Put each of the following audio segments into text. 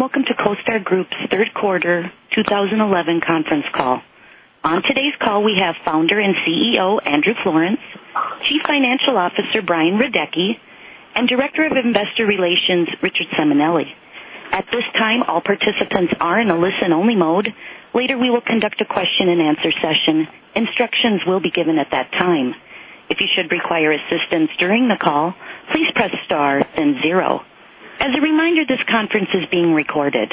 Welcome to CoStar Group's Third Quarter 2011 conference call. On today's call, we have Founder and CEO Andrew Florance, Chief Financial Officer Brian Radecki, and Director of Investor Relations Richard Simonelli. At this time, all participants are in a listen-only mode. Later, we will conduct a question and answer session. Instructions will be given at that time. If you should require assistance during the call, please press star and zero. As a reminder, this conference is being recorded.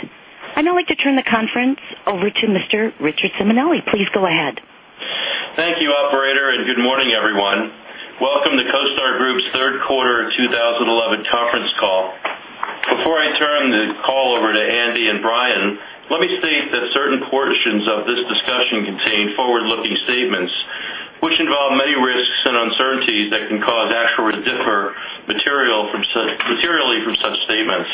I'd now like to turn the conference over to Mr. Richard Simonelli. Please go ahead. Thank you, operator, and good morning, everyone. Welcome to CoStar Group's Third Quarter 2011 Conference Call. Before I turn the call over to Andy and Brian, let me state that certain portions of this discussion contain forward-looking statements, which involve many risks and uncertainty that can cause actual results to differ materially from such statements.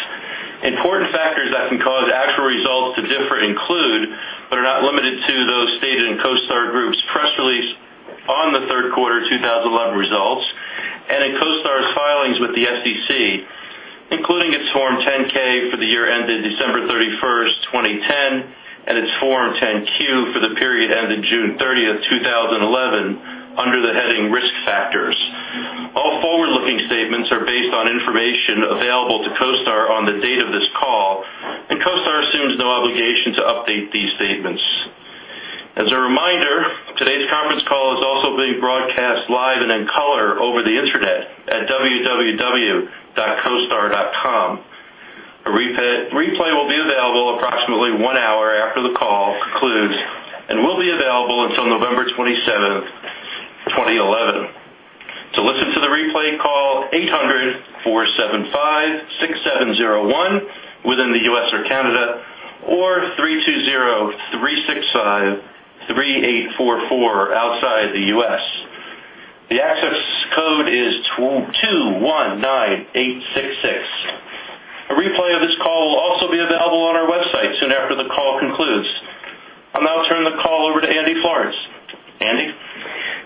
Important factors that can cause actual results to differ include, but are not limited to, those stated in CoStar Group's press release on the Third Quarter 2011 results and in CoStar's filings with the SEC, including its Form 10-K for the year ended December 31st, 2010, and its Form 10-Q for the period ended June 30th, 2011, under the heading Risk Factors. All forward-looking statements are based on information available to CoStar on the date of this call, and CoStar assumes no obligation to update these statements. As a reminder, today's conference call is also being broadcast live and in color over the intranet at www.costar.com. A replay will be available approximately one hour after the call concludes and will be available until November 27, 2011. To listen to the replay, call 800-475-6701 within the U.S. or Canada or 320-365-3844 outside the U.S. The access code is 219866. A replay of this call will also be available on our website soon after the call concludes. I'll now turn the call over to Andy Florance. Andy?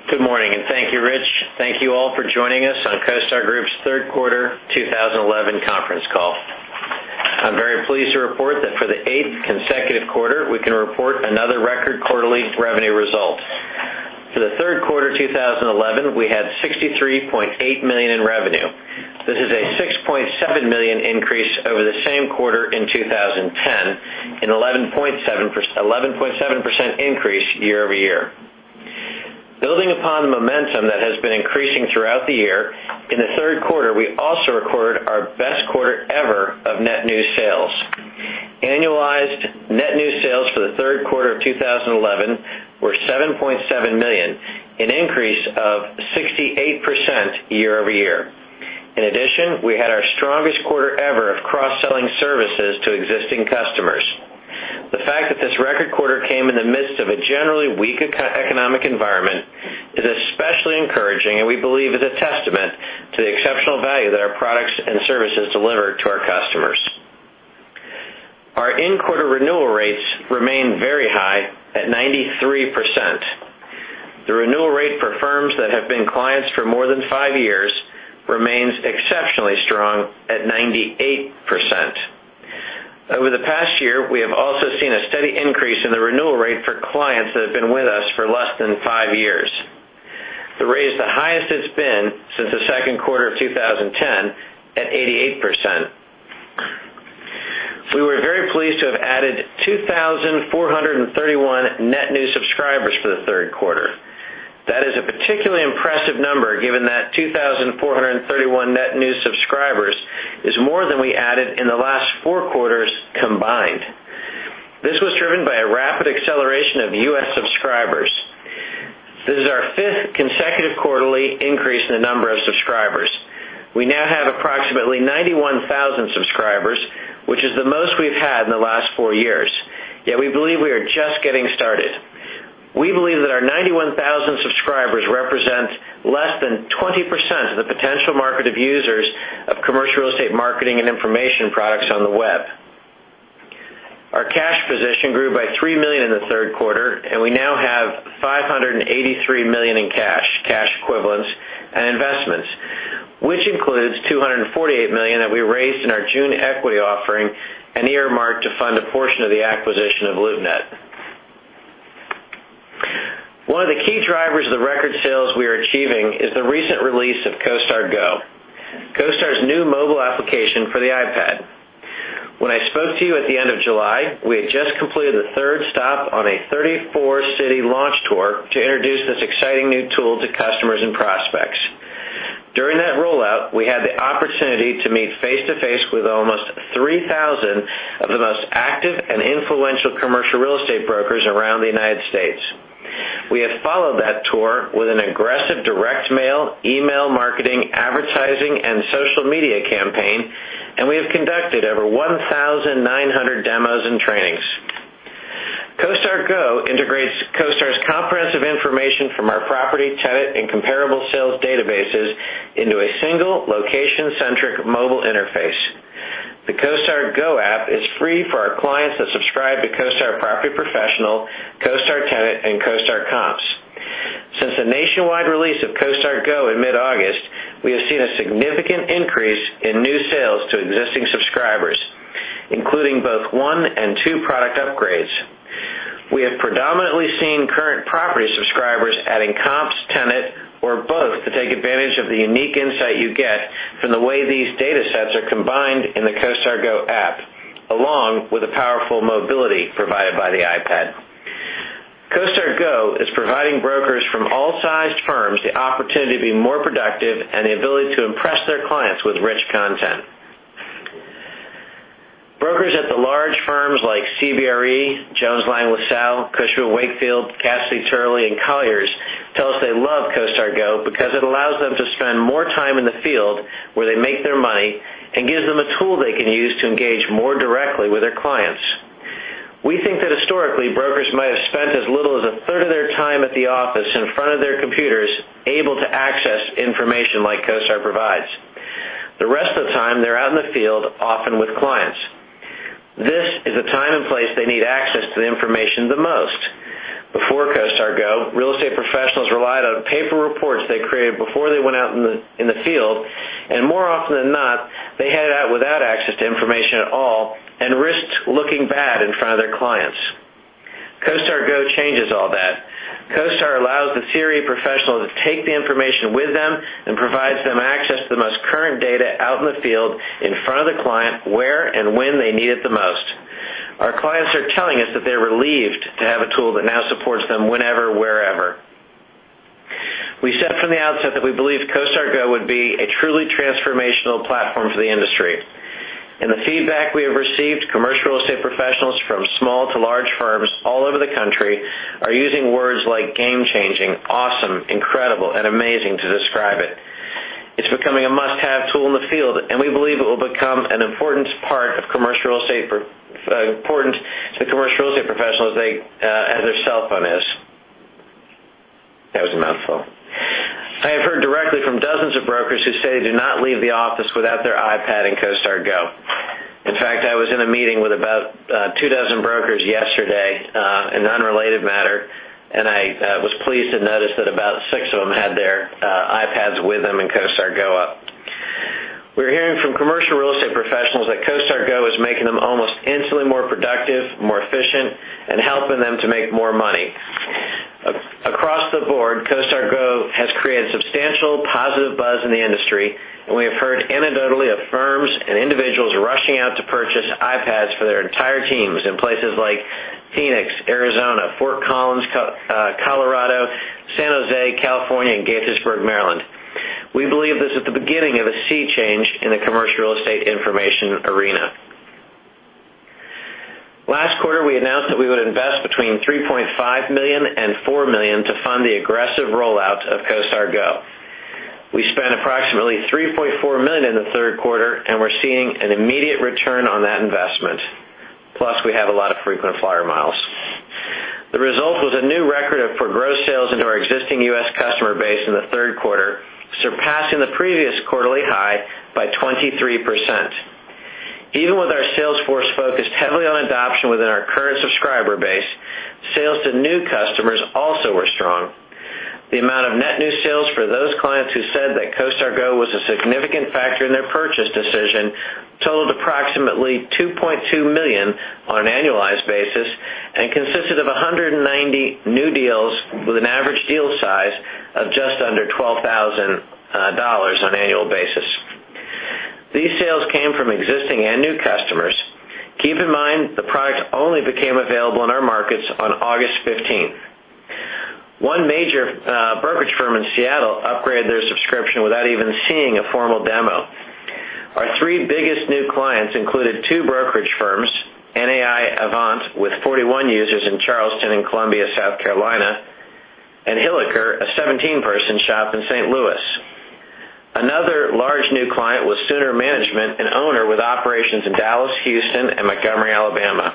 Good morning and thank you, Rich. Thank you all for joining us on CoStar Group's Third Quarter 2011 Conference Call. I'm very pleased to report that for the eighth consecutive quarter, we can report another record quarterly revenue result. For the Third Quarter 2011, we had $63.8 million in revenue. This is a $6.7 million increase over the same quarter in 2010, an 11.7% increase year-over-year. Building upon the momentum that has been increasing throughout the year, in the Third Quarter, we also recorded our best quarter ever of net new sales. Annualized net new sales for the Third Quarter of 2011 were $7.7 million, an increase of 68% year-over-year. In addition, we had our strongest quarter ever of cross-selling services to existing customers. The fact that this record quarter came in the midst of a generally weak economic environment is especially encouraging, and we believe is a testament to the exceptional value that our products and services deliver to our customers. Our in-quarter renewal rates remain very high at 93%. The renewal rate for firms that have been clients for more than five years remains exceptionally strong at 98%. Over the past year, we have also seen a steady increase in the renewal rate for clients that have been with us for less than five years. The rate is the highest it's been since the Second Quarter of 2010 at 88%. We were very pleased to have added 2,431 net new subscribers for the Third Quarter. That is a particularly impressive number given that 2,431 net new subscribers is more than we added in the last four quarters combined. This was driven by a rapid acceleration of U.S. subscribers. This is our fifth consecutive quarterly increase in the number of subscribers. We now have approximately 91,000 subscribers, which is the most we've had in the last four years, yet we believe we are just getting started. We believe that our 91,000 subscribers represent less than 20% of the potential market of users of commercial real estate marketing and information products on the web. Our cash position grew by $3 million in the Third Quarter, and we now have $583 million in cash, cash equivalents, and investments, which includes $248 million that we raised in our June equity offering and earmarked to fund a portion of the acquisition of LoopNet. One of the key drivers of the record sales we are achieving is the recent release of CoStar Go, CoStar's new mobile application for the iPad. When I spoke to you at the end of July, we had just completed the third stop on a 34-city launch tour to introduce this exciting new tool to customers and prospects. During that rollout, we had the opportunity to meet face-to-face with almost 3,000 of the most active and influential commercial real estate brokers around the United States. We have followed that tour with an aggressive direct mail, email marketing, advertising, and social media campaign, and we have conducted over 1,900 demos and trainings. CoStar Go integrates CoStar's comprehensive information from our property, tenant, and comparable sales databases into a single location-centric mobile interface. The CoStar Go app is free for our clients that subscribe to CoStar Property Professional, CoStar Tenant, and CoStar Comps. Since the nationwide release of CoStar Go in mid-August, we have seen a significant increase in new sales to existing subscribers, including both one and two product upgrades. We have predominantly seen current property subscribers adding comps, tenant, or both to take advantage of the unique insight you get from the way these data sets are combined in the CoStar Go app, along with the powerful mobility provided by the iPad. CoStar Go is providing brokers from all sized firms the opportunity to be more productive and the ability to impress their clients with rich content. Brokers at the large firms like CBRE, Jones Lang LaSalle, Cushman & Wakefield, Cassidy Turley, and Colliers tell us they love CoStar Go because it allows them to spend more time in the field where they make their money and gives them a tool they can use to engage more directly with their clients. We think that historically, brokers might have spent as little as a third of their time at the office in front of their computers able to access information like CoStar provides. The rest of the time, they're out in the field, often with clients. This is the time and place they need access to the information the most. Before CoStar Go, real estate professionals relied on paper reports they created before they went out in the field, and more often than not, they headed out without access to information at all and risked looking bad in front of their clients. CoStar Go changes all that. CoStar allows the theory professional to take the information with them and provides them access to the most current data out in the field in front of the client where and when they need it the most. Our clients are telling us that they're relieved to have a tool that now supports them whenever, wherever. We said from the outset that we believe CoStar Go would be a truly transformational platform for the industry. In the feedback we have received, commercial real estate professionals from small to large firms all over the country are using words like game-changing, awesome, incredible, and amazing to describe it. It's becoming a must-have tool in the field, and we believe it will become as important a part of commercial real estate professionals as their cell phone is. That was a mouthful. I have heard directly from dozens of brokers who say they do not leave the office without their iPad and CoStar Go. In fact, I was in a meeting with about two dozen brokers yesterday in an unrelated matter, and I was pleased to notice that about six of them had their iPads with them and CoStar Go up. We're hearing from commercial real estate professionals that CoStar Go is making them almost instantly more productive, more efficient, and helping them to make more money. Across the board, CoStar Go has created substantial positive buzz in the industry, and we have heard anecdotally of firms and individuals rushing out to purchase iPads for their entire teams in places like Phoenix, Arizona, Fort Collins, Colorado, San Jose, California, and Gaithersburg, Maryland. We believe this is the beginning of a sea change in the commercial real estate information arena. Last quarter, we announced that we would invest between $3.5 million and $4 million to fund the aggressive rollout of CoStar Go. We spent approximately $3.4 million in the Third Quarter, and we're seeing an immediate return on that investment. Plus, we have a lot of frequent flyer miles. The result was a new record for gross sales into our existing U.S. customer base in the Third Quarter, surpassing the previous quarterly high by 23%. Even with our sales force focused heavily on adoption within our current subscriber base, sales to new customers also were strong. The amount of net new sales for those clients who said that CoStar Go was a significant factor in their purchase decision totaled approximately $2.2 million on an annualized basis and consisted of 190 new deals with an average deal size of just under $12,000 on an annual basis. These sales came from existing and new customers. Keep in mind, the product only became available in our markets on August 15th. One major brokerage firm in Seattle upgraded their subscription without even seeing a formal demo. Our three biggest new clients included two brokerage firms, NAI Avant with 41 users in Charleston and Columbia, South Carolina, and Hilliker, a 17-person shop in St. Louis. Another large new client was Sooner Management, an owner with operations in Dallas, Houston, and Montgomery, Alabama.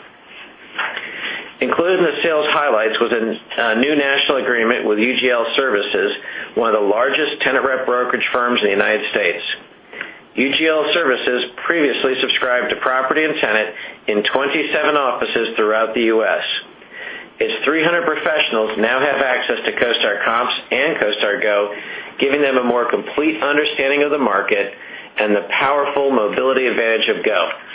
Included in the sales highlights was a new national agreement with UGL Services, one of the largest tenant rep brokerage firms in the United States. UGL Services previously subscribed to Property and Tenant in 27 offices throughout the U.S. Its 300 professionals now have access to CoStar comps and CoStar Go, giving them a more complete understanding of the market and the powerful mobility advantage of CoStar Go.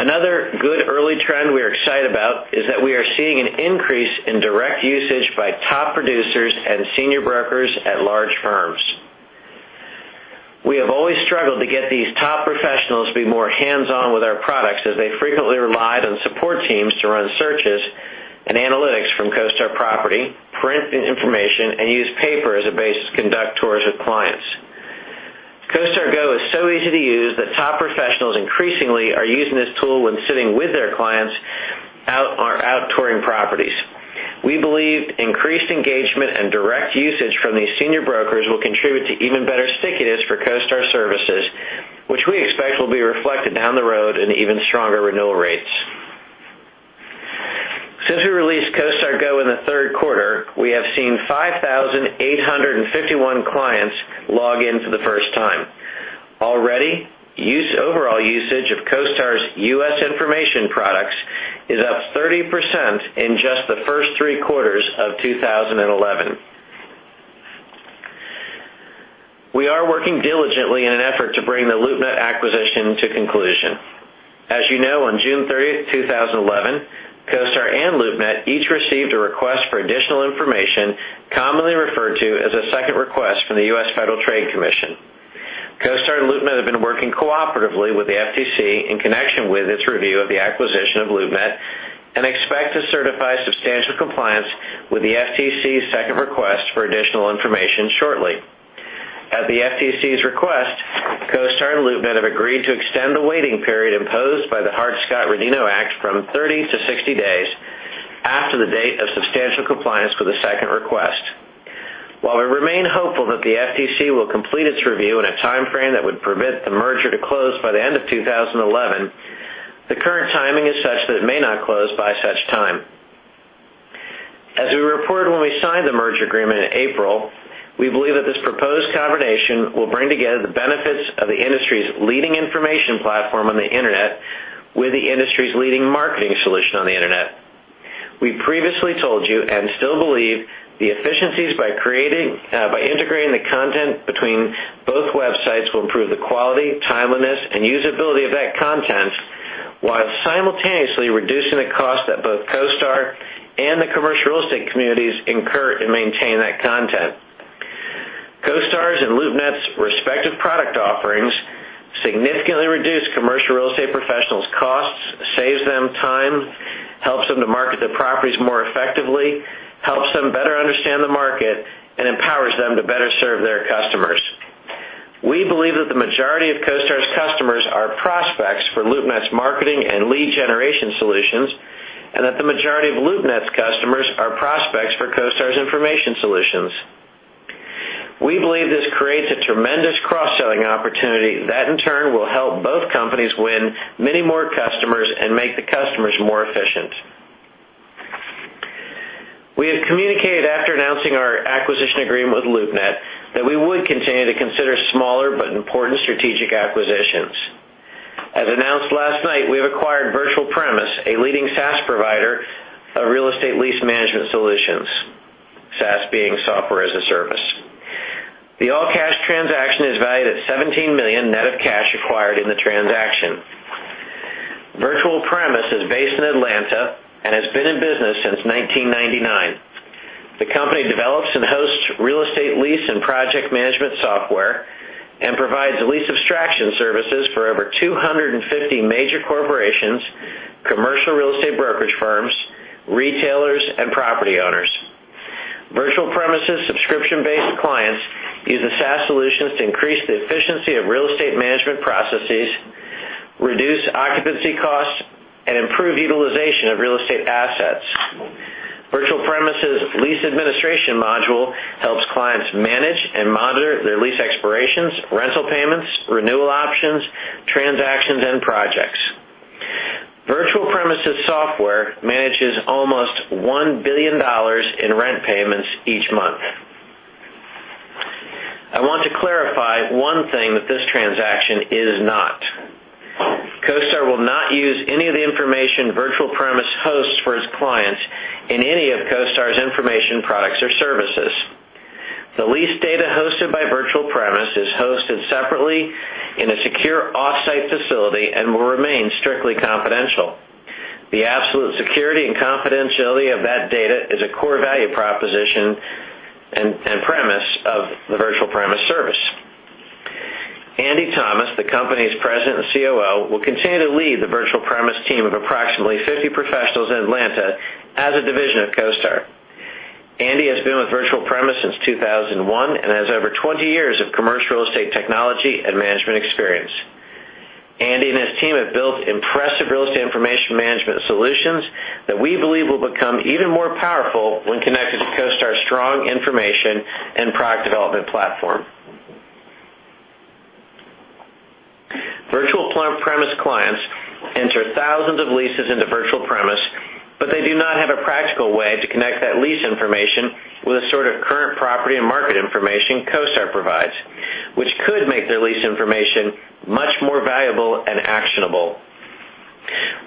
Another good early trend we are excited about is that we are seeing an increase in direct usage by top producers and senior brokers at large firms. We have always struggled to get these top professionals to be more hands-on with our products as they frequently relied on support teams to run searches and analytics from CoStar Property, print information, and use paper as a basis to conduct tours with clients. CoStar Go is so easy to use that top professionals increasingly are using this tool when sitting with their clients or out touring properties. We believe increased engagement and direct usage from these senior brokers will contribute to even better stickiness for CoStar services, which we expect will be reflected down the road in even stronger renewal rates. Since we released CoStar Go in the Third Quarter, we have seen 5,851 clients log in for the first time. Already, overall usage of CoStar's U.S. information products is up 30% in just the first three quarters of 2011. We are working diligently in an effort to bring the LoopNet acquisition to conclusion. As you know, on June 30, 2011, CoStar and LoopNet each received a request for additional information, commonly referred to as a second request from the U.S. Federal Trade Commission. CoStar and LoopNet have been working cooperatively with the FTC in connection with its review of the acquisition of LoopNet and expect to certify substantial compliance with the FTC's second request for additional information shortly. At the FTC's request, CoStar and LoopNet have agreed to extend the waiting period imposed by the Hart-Scott-Rodino Act from 30-60 days after the date of substantial compliance with the second request. While we remain hopeful that the FTC will complete its review in a timeframe that would permit the merger to close by the end of 2011, the current timing is such that it may not close by such time. As we reported when we signed the merger agreement in April, we believe that this proposed combination will bring together the benefits of the industry's leading information platform on the internet with the industry's leading marketing solution on the internet. We previously told you and still believe the efficiencies by integrating the content between both websites will improve the quality, timeliness, and usability of that content while simultaneously reducing the cost that both CoStar and the commercial real estate communities incur to maintain that content. CoStar's and LoopNet's respective product offerings significantly reduce commercial real estate professionals' costs, save them time, help them to market their properties more effectively, help them better understand the market, and empower them to better serve their customers. We believe that the majority of CoStar's customers are prospects for LoopNet's marketing and lead generation solutions, and that the majority of LoopNet's customers are prospects for CoStar's information solutions. We believe this creates a tremendous cross-selling opportunity that in turn will help both companies win many more customers and make the customers more efficient. We have communicated after announcing our acquisition agreement with LoopNet that we would continue to consider smaller but important strategic acquisitions. As announced last night, we have acquired Virtual Premise, a leading SaaS provider of real estate lease management solutions, SaaS being software as a service. The all-cash transaction is valued at $17 million net of cash acquired in the transaction. Virtual Premise is based in Atlanta and has been in business since 1999. The company develops and hosts real estate lease and project management software and provides lease abstraction services for over 250 major corporations, commercial real estate brokerage firms, retailers, and property owners. Virtual Premise's subscription-based clients use the SaaS solutions to increase the efficiency of real estate management processes, reduce occupancy costs, and improve utilization of real estate assets. Virtual Premise's lease administration module helps clients manage and monitor their lease expirations, rental payments, renewal options, transactions, and projects. Virtual Premise's software manages almost $1 billion in rent payments each month. I want to clarify one thing that this transaction is not. CoStar will not use any of the information Virtual Premise hosts for its clients in any of CoStar's information products or services. The lease data hosted by Virtual Premise is hosted separately in a secure offsite facility and will remain strictly confidential. The absolute security and confidentiality of that data is a core value proposition and premise of the Virtual Premise service. Andy Thomas, the company's President and COO, will continue to lead the Virtual Premise team of approximately 50 professionals in Atlanta as a division of CoStar. Andy has been with Virtual Premise since 2001 and has over 20 years of commercial real estate technology and management experience. Andy and his team have built impressive real estate information management solutions that we believe will become even more powerful when connected to CoStar's strong information and product development platform. Virtual Premise clients enter thousands of leases into Virtual Premise, but they do not have a practical way to connect that lease information with the sort of current property and market information CoStar provides, which could make their lease information much more valuable and actionable.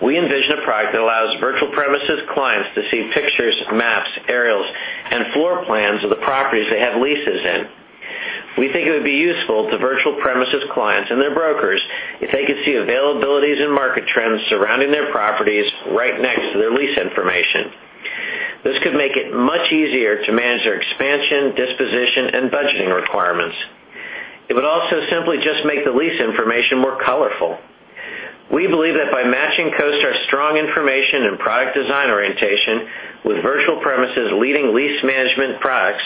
We envision a product that allows Virtual Premise's clients to see pictures, maps, aerials, and floor plans of the properties they have leases in. We think it would be useful to Virtual Premise's clients and their brokers if they could see availabilities and market trends surrounding their properties right next to their lease information. This could make it much easier to manage their expansion, disposition, and budgeting requirements. It would also simply just make the lease information more colorful. We believe that by matching CoStar's strong information and product design orientation with Virtual Premise's leading lease management products,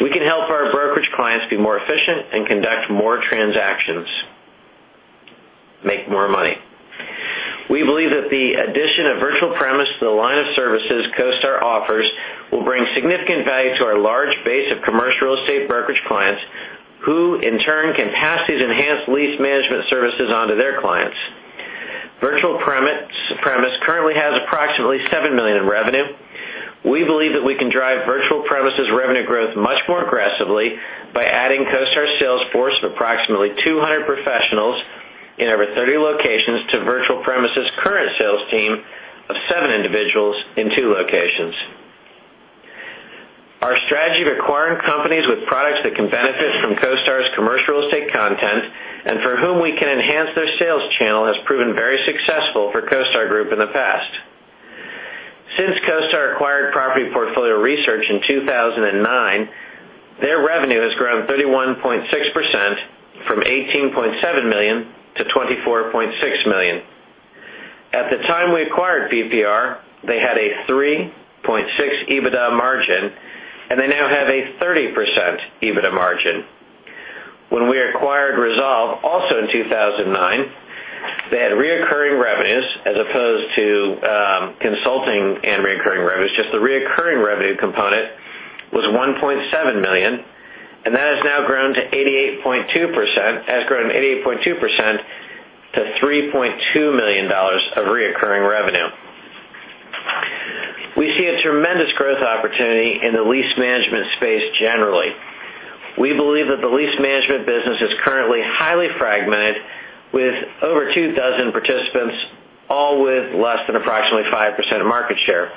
we can help our brokerage clients be more efficient and conduct more transactions, make more money. We believe that the addition of Virtual Premise to the line of services CoStar offers will bring significant value to our large base of commercial real estate brokerage clients who, in turn, can pass these enhanced lease management services onto their clients. Virtual Premise currently has approximately $7 million in revenue. We believe that we can drive Virtual Premise's revenue growth much more aggressively by adding CoStar's sales force of approximately 200 professionals in over 30 locations to Virtual Premise's current sales team of seven individuals in two locations. Our strategy of acquiring companies with products that can benefit from CoStar's commercial real estate content and for whom we can enhance their sales channel has proven very successful for CoStar Group in the past. Since CoStar acquired Property Portfolio Research in 2009, their revenue has grown 31.6% from $18.7 million-$24.6 million. At the time we acquired PPR, they had a 3.6% EBITDA margin, and they now have a 30% EBITDA margin. When we acquired Resolve also in 2009, they had recurring revenues as opposed to consulting and recurring revenues. Just the recurring revenue component was $1.7 million, and that has now grown 88.2% to $3.2 million of recurring revenue. We see a tremendous growth opportunity in the lease management space generally. We believe that the lease management business is currently highly fragmented with over two dozen participants, all with less than approximately 5% market share.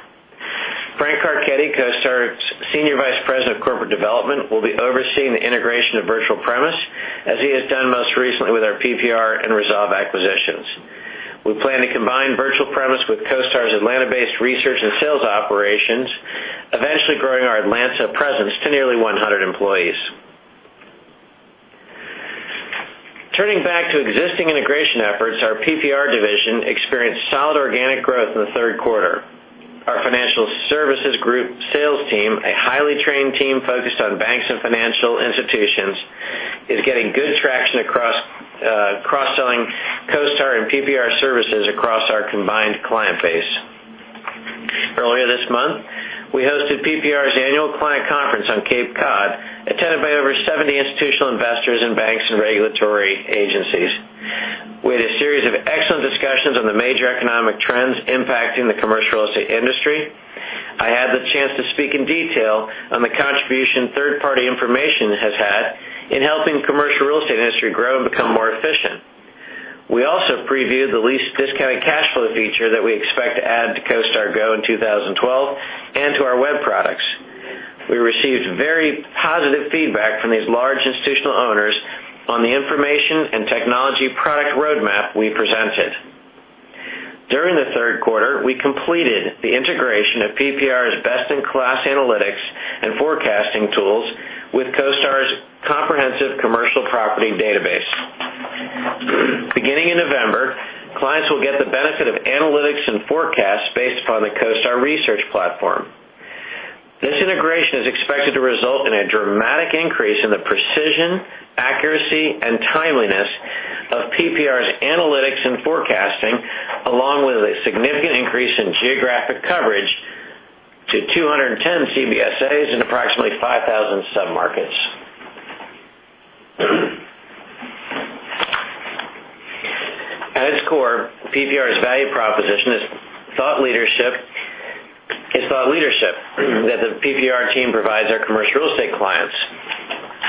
Frank Carchetti, CoStar's Senior Vice President of Corporate Development, will be overseeing the integration of Virtual Premise as he has done most recently with our PPR and Resolve acquisitions. We plan to combine Virtual Premise with CoStar's Atlanta-based research and sales operations, eventually growing our Atlanta presence to nearly 100 employees. Turning back to existing integration efforts, our PPR division experienced solid organic growth in the Third Quarter. Our Financial Services Group sales team, a highly trained team focused on banks and financial institutions, is getting good traction across cross-selling CoStar and PPR services across our combined client base. Earlier this month, we hosted PPR's annual client conference on Cape Cod, attended by over 70 institutional investors and banks and regulatory agencies. We had a series of excellent discussions on the major economic trends impacting the commercial real estate industry. I had the chance to speak in detail on the contribution third-party information has had in helping the commercial real estate industry grow and become more efficient. We also previewed the lease discounted cash flow feature that we expect to add to CoStar Go in 2012 and to our web products. We received very positive feedback from these large institutional owners on the information and technology product roadmap we presented. During the Third Quarter, we completed the integration of PPR's best-in-class analytics and forecasting tools with CoStar's comprehensive commercial property database. Beginning in November, clients will get the benefit of analytics and forecasts based upon the CoStar research platform. This integration is expected to result in a dramatic increase in the precision, accuracy, and timeliness of PPR's analytics and forecasting, along with a significant increase in geographic coverage to 210 CBSAs and approximately 5,000 submarkets. At its core, PPR's value proposition is thought leadership that the PPR team provides our commercial real estate clients.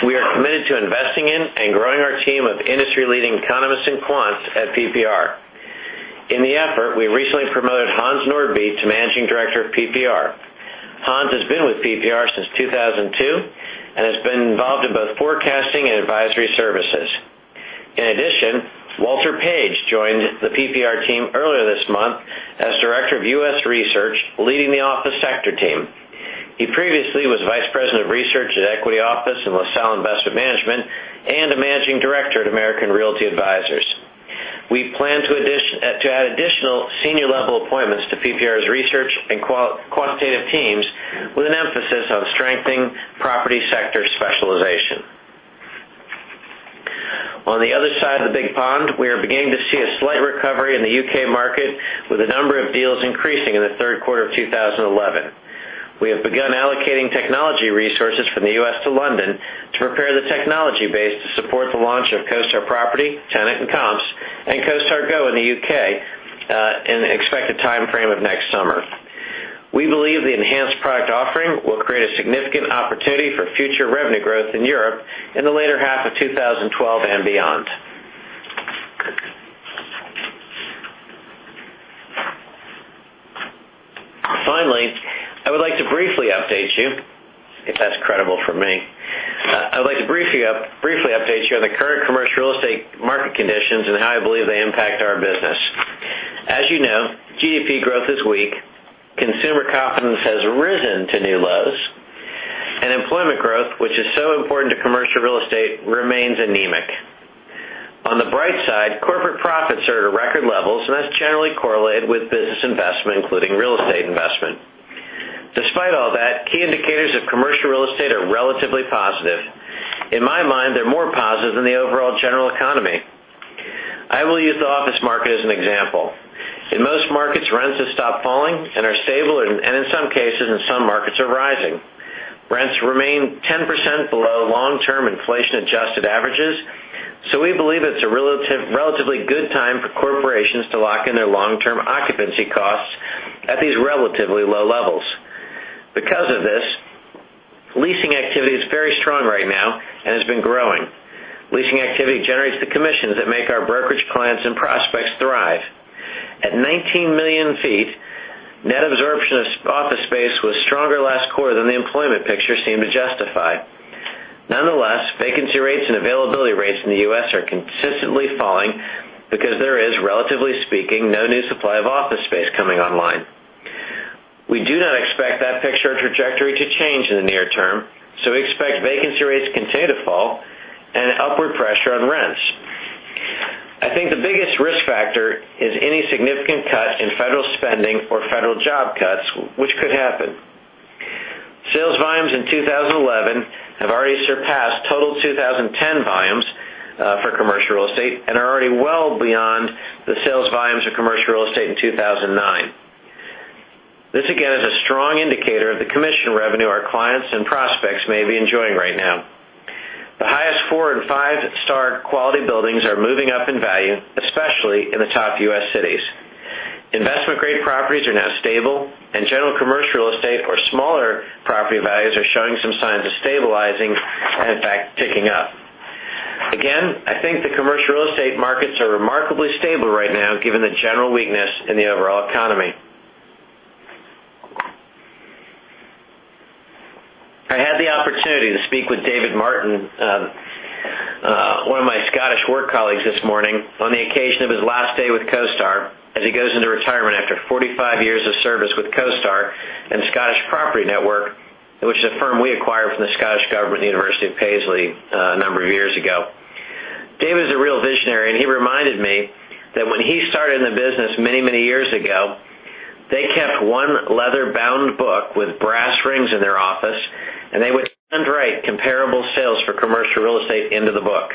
We are committed to investing in and growing our team of industry-leading economists and quants at PPR. In the effort, we recently promoted Hans Nordby to Managing Director of PPR. Hans has been with PPR since 2002 and has been involved in both forecasting and advisory services. In addition, Walter Page joined the PPR team earlier this month as Director of U.S. Research, leading the office sector team. He previously was Vice President of Research at Equity Office in LaSalle Investment Management and a Managing Director at American Realty Advisors. We plan to add additional senior-level appointments to PPR's research and quantitative teams with an emphasis on strengthening property sector specialization. On the other side of the big pond, we are beginning to see a slight recovery in the UK market with a number of deals increasing in the Third Quarter of 2011. We have begun allocating technology resources from the U.S. to London to prepare the technology base to support the launch of CoStar Property, Tenant, and Comps, and CoStar Go in the UK in the expected timeframe of next summer. We believe the enhanced product offering will create a significant opportunity for future revenue growth in Europe in the later half of 2012 and beyond. Finally, I would like to briefly update you if that's credible for me. I would like to briefly update you on the current commercial real estate market conditions and how I believe they impact our business. As you know, GDP growth is weak, consumer confidence has risen to new lows, and employment growth, which is so important to commercial real estate, remains anemic. On the bright side, corporate profits are at a record level, and that's generally correlated with business investment, including real estate investment. Despite all that, key indicators of commercial real estate are relatively positive. In my mind, they're more positive than the overall general economy. I will use the office market as an example. In most markets, rents have stopped falling and are stable, and in some cases, some markets are rising. Rents remain 10% below long-term inflation-adjusted averages, so we believe it's a relatively good time for corporations to lock in their long-term occupancy costs at these relatively low levels. Because of this, leasing activity is very strong right now and has been growing. Leasing activity generates the commissions that make our brokerage clients and prospects thrive. At 19 million feet, net absorption of office space was stronger last quarter than the employment picture seemed to justify it. Nonetheless, vacancy rates and availability rates in the U.S. are consistently falling because there is, relatively speaking, no new supply of office space coming online. We do not expect that picture or trajectory to change in the near term, so we expect vacancy rates to continue to fall and upward pressure on rents. I think the biggest risk factor is any significant cut in federal spending or federal job cuts, which could happen. Sales volumes in 2011 have already surpassed total 2010 volumes for commercial real estate and are already well beyond the sales volumes of commercial real estate in 2009. This again is a strong indicator of the commission revenue our clients and prospects may be enjoying right now. The highest four and five-star quality buildings are moving up in value, especially in the top U.S. cities. Investment-grade properties are now stable, and general commercial real estate or smaller property values are showing some signs of stabilizing and, in fact, ticking up. Again, I think the commercial real estate markets are remarkably stable right now given the general weakness in the overall economy. I had the opportunity to speak with David Martin, one of my Scottish work colleagues this morning, on the occasion of his last day with CoStar as he goes into retirement after 45 years of service with CoStar and Scottish Property Network, which is a firm we acquired from the Scottish Government University of Paisley a number of years ago. David is a real visionary, and he reminded me that when he started in the business many, many years ago, they kept one leather-bound book with brass rings in their office, and they would handwrite comparable sales for commercial real estate into the book.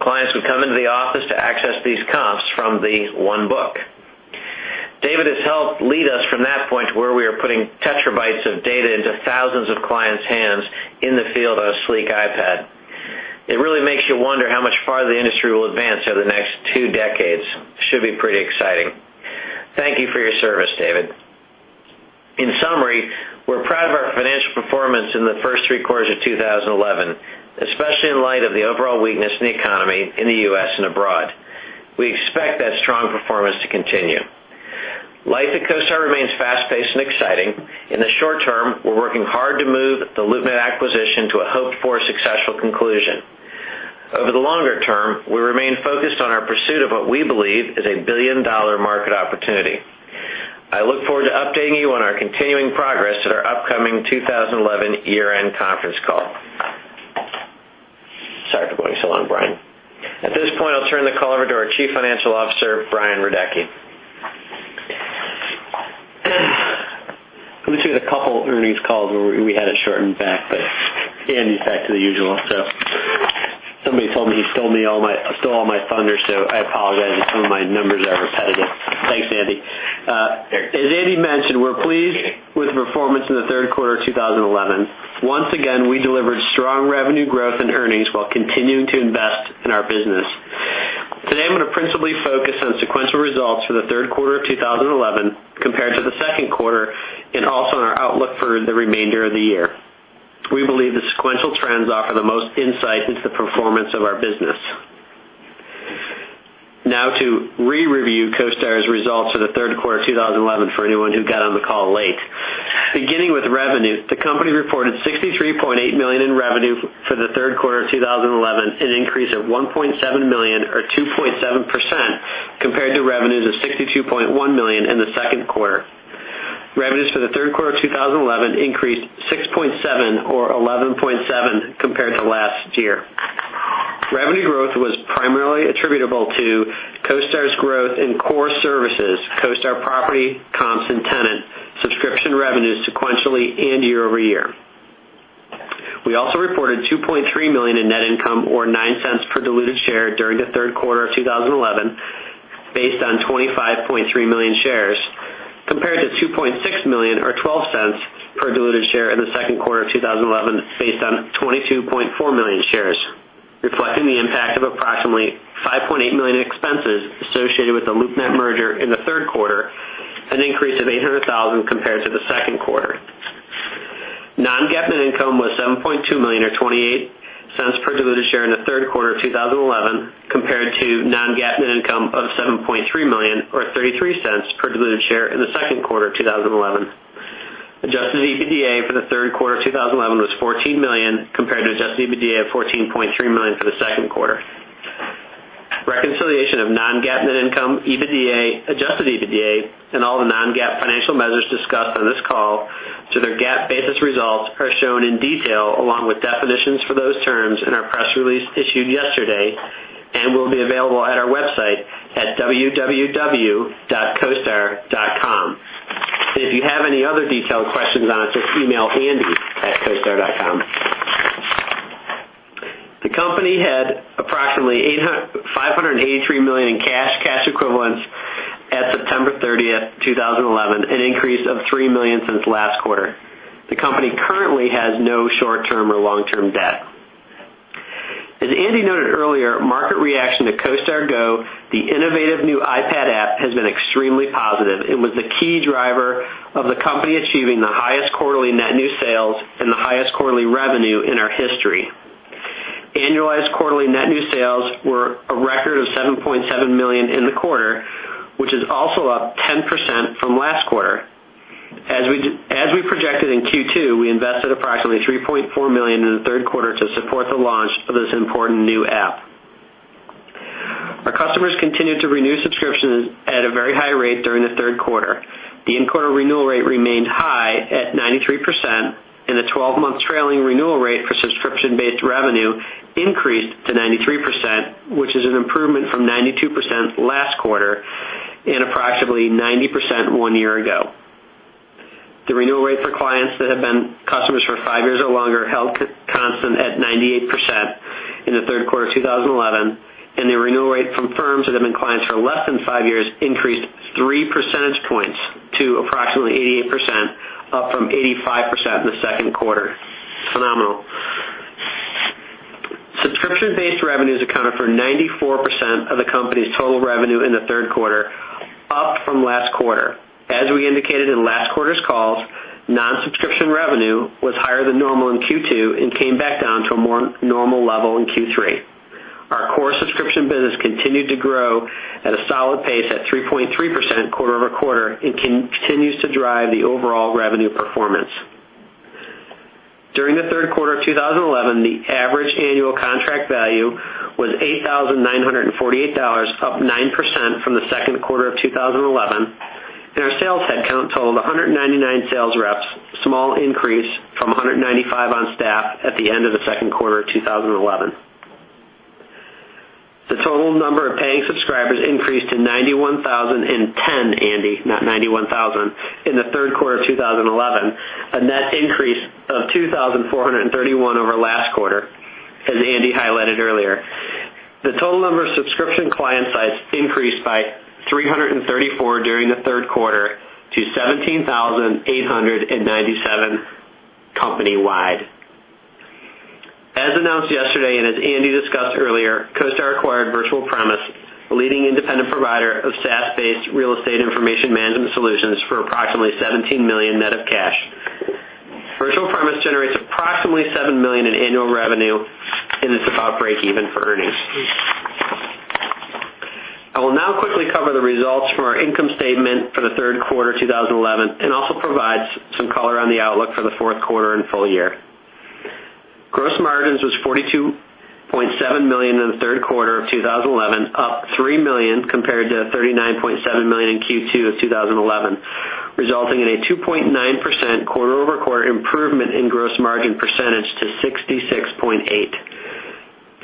Clients would come into the office to access these comps from the one book. David has helped lead us from that point to where we are putting petabytes of data into thousands of clients' hands in the field on a sleek iPad. It really makes you wonder how much farther the industry will advance over the next two decades. It should be pretty exciting. Thank you for your service, David. In summary, we're proud of our financial performance in the first three quarters of 2011, especially in light of the overall weakness in the economy in the U.S. and abroad. We expect that strong performance to continue. Life at CoStar remains fast-paced and exciting. In the short term, we're working hard to move the LoopNet acquisition to a hoped-for successful conclusion. Over the longer term, we remain focused on our pursuit of what we believe is a billion-dollar market opportunity. I look forward to updating you on our continuing progress at our upcoming 2011 year-end conference call. Sorry for going so long, Brian. At this point, I'll turn the call over to our Chief Financial Officer, Brian Radecki. Let me check a couple of interviews called where we had it shortened back, but Andy's back to the usual. Somebody told me he stole all my thunder, so I apologize. Some of my numbers are repetitive. Thanks, Andy. As Andy mentioned, we're pleased with the performance in the Third Quarter of 2011. Once again, we delivered strong revenue growth and earnings while continuing to invest in our business. Today, I'm going to principally focus on sequential results for the Third Quarter of 2011 compared to the Second Quarter and also on our outlook for the remainder of the year. We believe the sequential trends offer the most insight into the performance of our business. Now to re-review CoStar Group's results for the Third Quarter of 2011 for anyone who got on the call late. Beginning with revenue, the company reported $63.8 million in revenue for the Third Quarter of 2011, an increase of $1.7 million or 2.7% compared to revenues of $62.1 million in the Second Quarter. Revenues for the Third Quarter of 2011 increased $6.7 million or 11.7% compared to last year. Revenue growth was primarily attributable to CoStar Group's growth in core services, CoStar Property, Comps, and Tenant subscription revenues sequentially and year-over-year. We also reported $2.3 million in net income or $0.09 per diluted share during the Third Quarter of 2011, based on 25.3 million shares, compared to $2.6 million or $0.12 per diluted share in the Second Quarter of 2011, based on 22.4 million shares, reflecting the impact of approximately $5.8 million expenses associated with the LoopNet merger in the Third Quarter, an increase of $800,000 compared to the Second Quarter. Non-GAAP net income was $7.2 million or $0.28 per diluted share in the Third Quarter of 2011, compared to non-GAAP net income of $7.3 million or $0.33 per diluted share in the Second Quarter of 2011. Adjusted EBITDA for the Third Quarter of 2011 was $14 million, compared to adjusted EBITDA of $14.3 million for the Second Quarter. Reconciliation of non-GAAP net income, EBITDA, adjusted EBITDA, and all the non-GAAP financial measures discussed on this call, so their GAAP basis results are shown in detail along with definitions for those terms in our press release issued yesterday and will be available at our website at www.costar.com. If you have any other detailed questions on it, just email andy@costar.com. The company had approximately $583 million in cash and cash equivalents at September 30th, 2011, an increase of $3 million since last quarter. The company currently has no short-term or long-term debt. As Andy noted earlier, market reaction to CoStar Go, the innovative new iPad app, has been extremely positive and was the key driver of the company achieving the highest quarterly net new sales and the highest quarterly revenue in our history. Annualized quarterly net new sales were a record of $7.7 million in the quarter, which is also up 10% from last quarter. As we projected in Q2, we invested approximately $3.4 million in the Third Quarter to support the launch of this important new app. Our customers continued to renew subscriptions at a very high rate during the Third Quarter. The in-quarter renewal rate remained high at 93%, and a 12-month trailing renewal rate for subscription-based revenue increased to 93%, which is an improvement from 92% last quarter and approximately 90% one year ago. The renewal rate for clients that have been customers for five years or longer held constant at 98% in the Third Quarter of 2011, and the renewal rate from firms that have been clients for less than five years increased three percentage points to approximately 88%, up from 85% in the Second Quarter. It's phenomenal. Subscription-based revenues accounted for 94% of the company's total revenue in the Third Quarter, up from last quarter. As we indicated in last quarter's calls, non-subscription revenue was higher than normal in Q2 and came back down to a more normal level in Q3. Our core subscription business continued to grow at a solid pace at 3.3% quarter-over-quarter and continues to drive the overall revenue performance. During the Third Quarter of 2011, the average annual contract value was $8,948, up 9% from the Second Quarter of 2011, and our sales headcount totaled 199 sales reps, a small increase from 195 on staff at the end of the Second Quarter of 2011. The total number of paying subscribers increased to 91,010, Andy, not 91,000, in the Third Quarter of 2011, a net increase of 2,431 over last quarter, as Andy highlighted earlier. The total number of subscription client sites increased by 334 during the Third Quarter to 17,897 company-wide. As announced yesterday and as Andy discussed earlier, CoStar acquired Virtual Premise, the leading independent provider of SaaS-based real estate information management solutions for approximately $17 million net of cash. Virtual Premise generates approximately $7 million in annual revenue, and it's about breakeven for earnings. I will now quickly cover the results from our income statement for the Third Quarter of 2011 and also provide some color on the outlook for the Fourth Quarter and full year. Gross margins were $42.7 million in the Third Quarter of 2011, up $3 million compared to $39.7 million in Q2 of 2011, resulting in a 2.9% quarter-over-quarter improvement in gross margin percentage to 66.8%.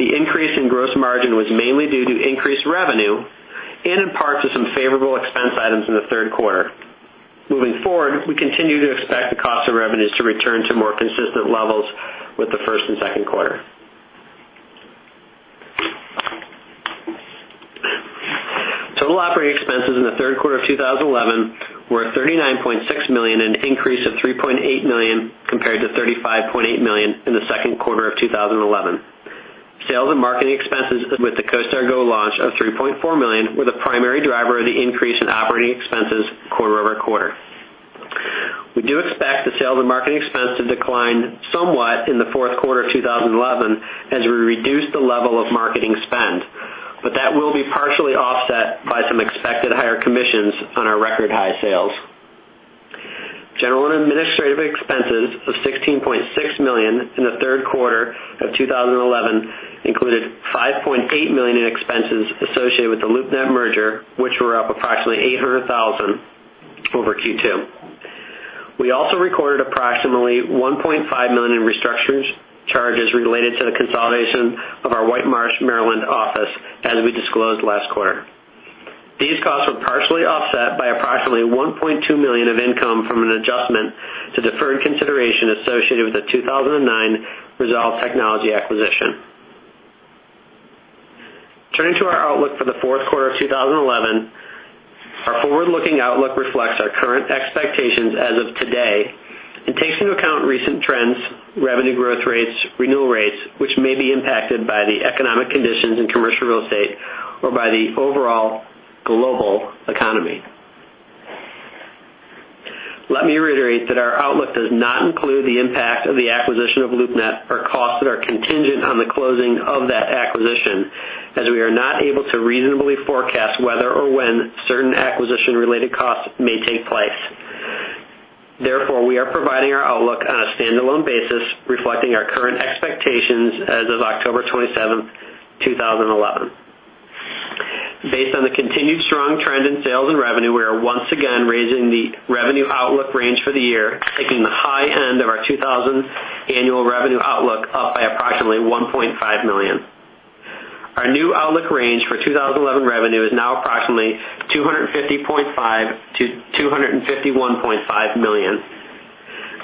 The increase in gross margin was mainly due to increased revenue and in part to some favorable expense items in the Third Quarter. Moving forward, we continue to expect the cost of revenues to return to more consistent levels with the first and Second Quarter. Total operating expenses in the Third Quarter of 2011 were $39.6 million, an increase of $3.8 million compared to $35.8 million in the Second Quarter of 2011. Sales and marketing expenses with the CoStar Go launch of $3.4 million were the primary driver of the increase in operating expenses quarter-over-quarter. We do expect the sales and marketing expense to decline somewhat in the Fourth Quarter of 2011 as we reduce the level of marketing spend, but that will be partially offset by some expected higher commissions on our record high sales. General and administrative expenses of $16.6 million in the Third Quarter of 2011 included $5.8 million in expenses associated with the LoopNet merger, which were up approximately $800,000 over Q2. We also recorded approximately $1.5 million in restructuring charges related to the consolidation of our White Marsh, Maryland office as we disclosed last quarter. These costs were partially offset by approximately $1.2 million of income from an adjustment to deferred consideration associated with the 2009 Resolve Technology acquisition. Turning to our outlook for the Fourth Quarter of 2011, our forward-looking outlook reflects our current expectations as of today and takes into account recent trends, revenue growth rates, renewal rates, which may be impacted by the economic conditions in commercial real estate or by the overall global economy. Let me reiterate that our outlook does not include the impact of the acquisition of LoopNet or costs that are contingent on the closing of that acquisition, as we are not able to reasonably forecast whether or when certain acquisition-related costs may take place. Therefore, we are providing our outlook on a standalone basis, reflecting our current expectations as of October 27th, 2011. Based on the continued strong trend in sales and revenue, we are once again raising the revenue outlook range for the year, taking the high end of our 2011 annual revenue outlook up by approximately $1.5 million. Our new outlook range for 2011 revenue is now approximately $250.5 million-$251.5 million.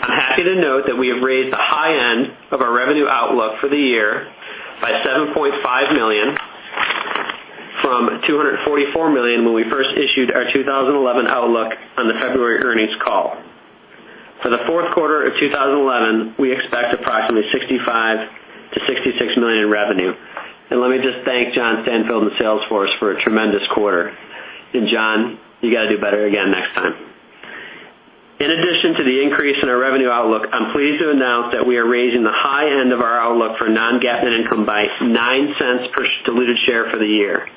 I'm happy to note that we have raised the high end of our revenue outlook for the year by $7.5 million from $244 million when we first issued our 2011 outlook on the February earnings call. For the Fourth Quarter of 2011, we expect approximately $65 million-$66 million in revenue. Let me just thank John Stanfield and Salesforce for a tremendous quarter. John, you got to do better again next time. In addition to the increase in our revenue outlook, I'm pleased to announce that we are raising the high end of our outlook for non-GAAP net income by $0.09 per diluted share for the year.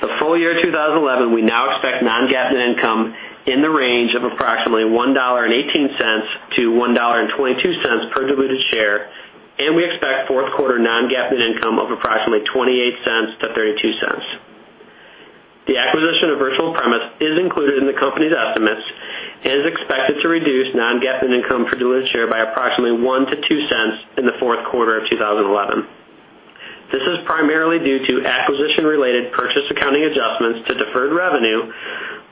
For the full year of 2011, we now expect non-GAAP net income in the range of approximately $1.18-$1.22 per diluted share, and we expect Fourth Quarter non-GAAP net income of approximately $0.28-$0.32. The acquisition of Virtual Premise is included in the company's estimates and is expected to reduce non-GAAP net income per diluted share by approximately $0.01-$0.02 in the Fourth Quarter of 2011. This is primarily due to acquisition-related purchase accounting adjustments to deferred revenue,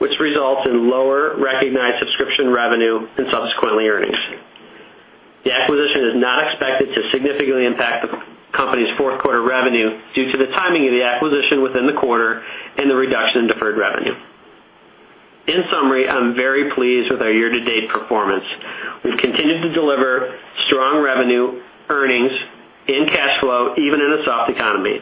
which results in lower recognized subscription revenue and subsequently earnings. The acquisition is not expected to significantly impact the company's Fourth Quarter revenue due to the timing of the acquisition within the quarter and the reduction in deferred revenue. In summary, I'm very pleased with our year-to-date performance. We've continued to deliver strong revenue, earnings, and cash flow, even in a soft economy.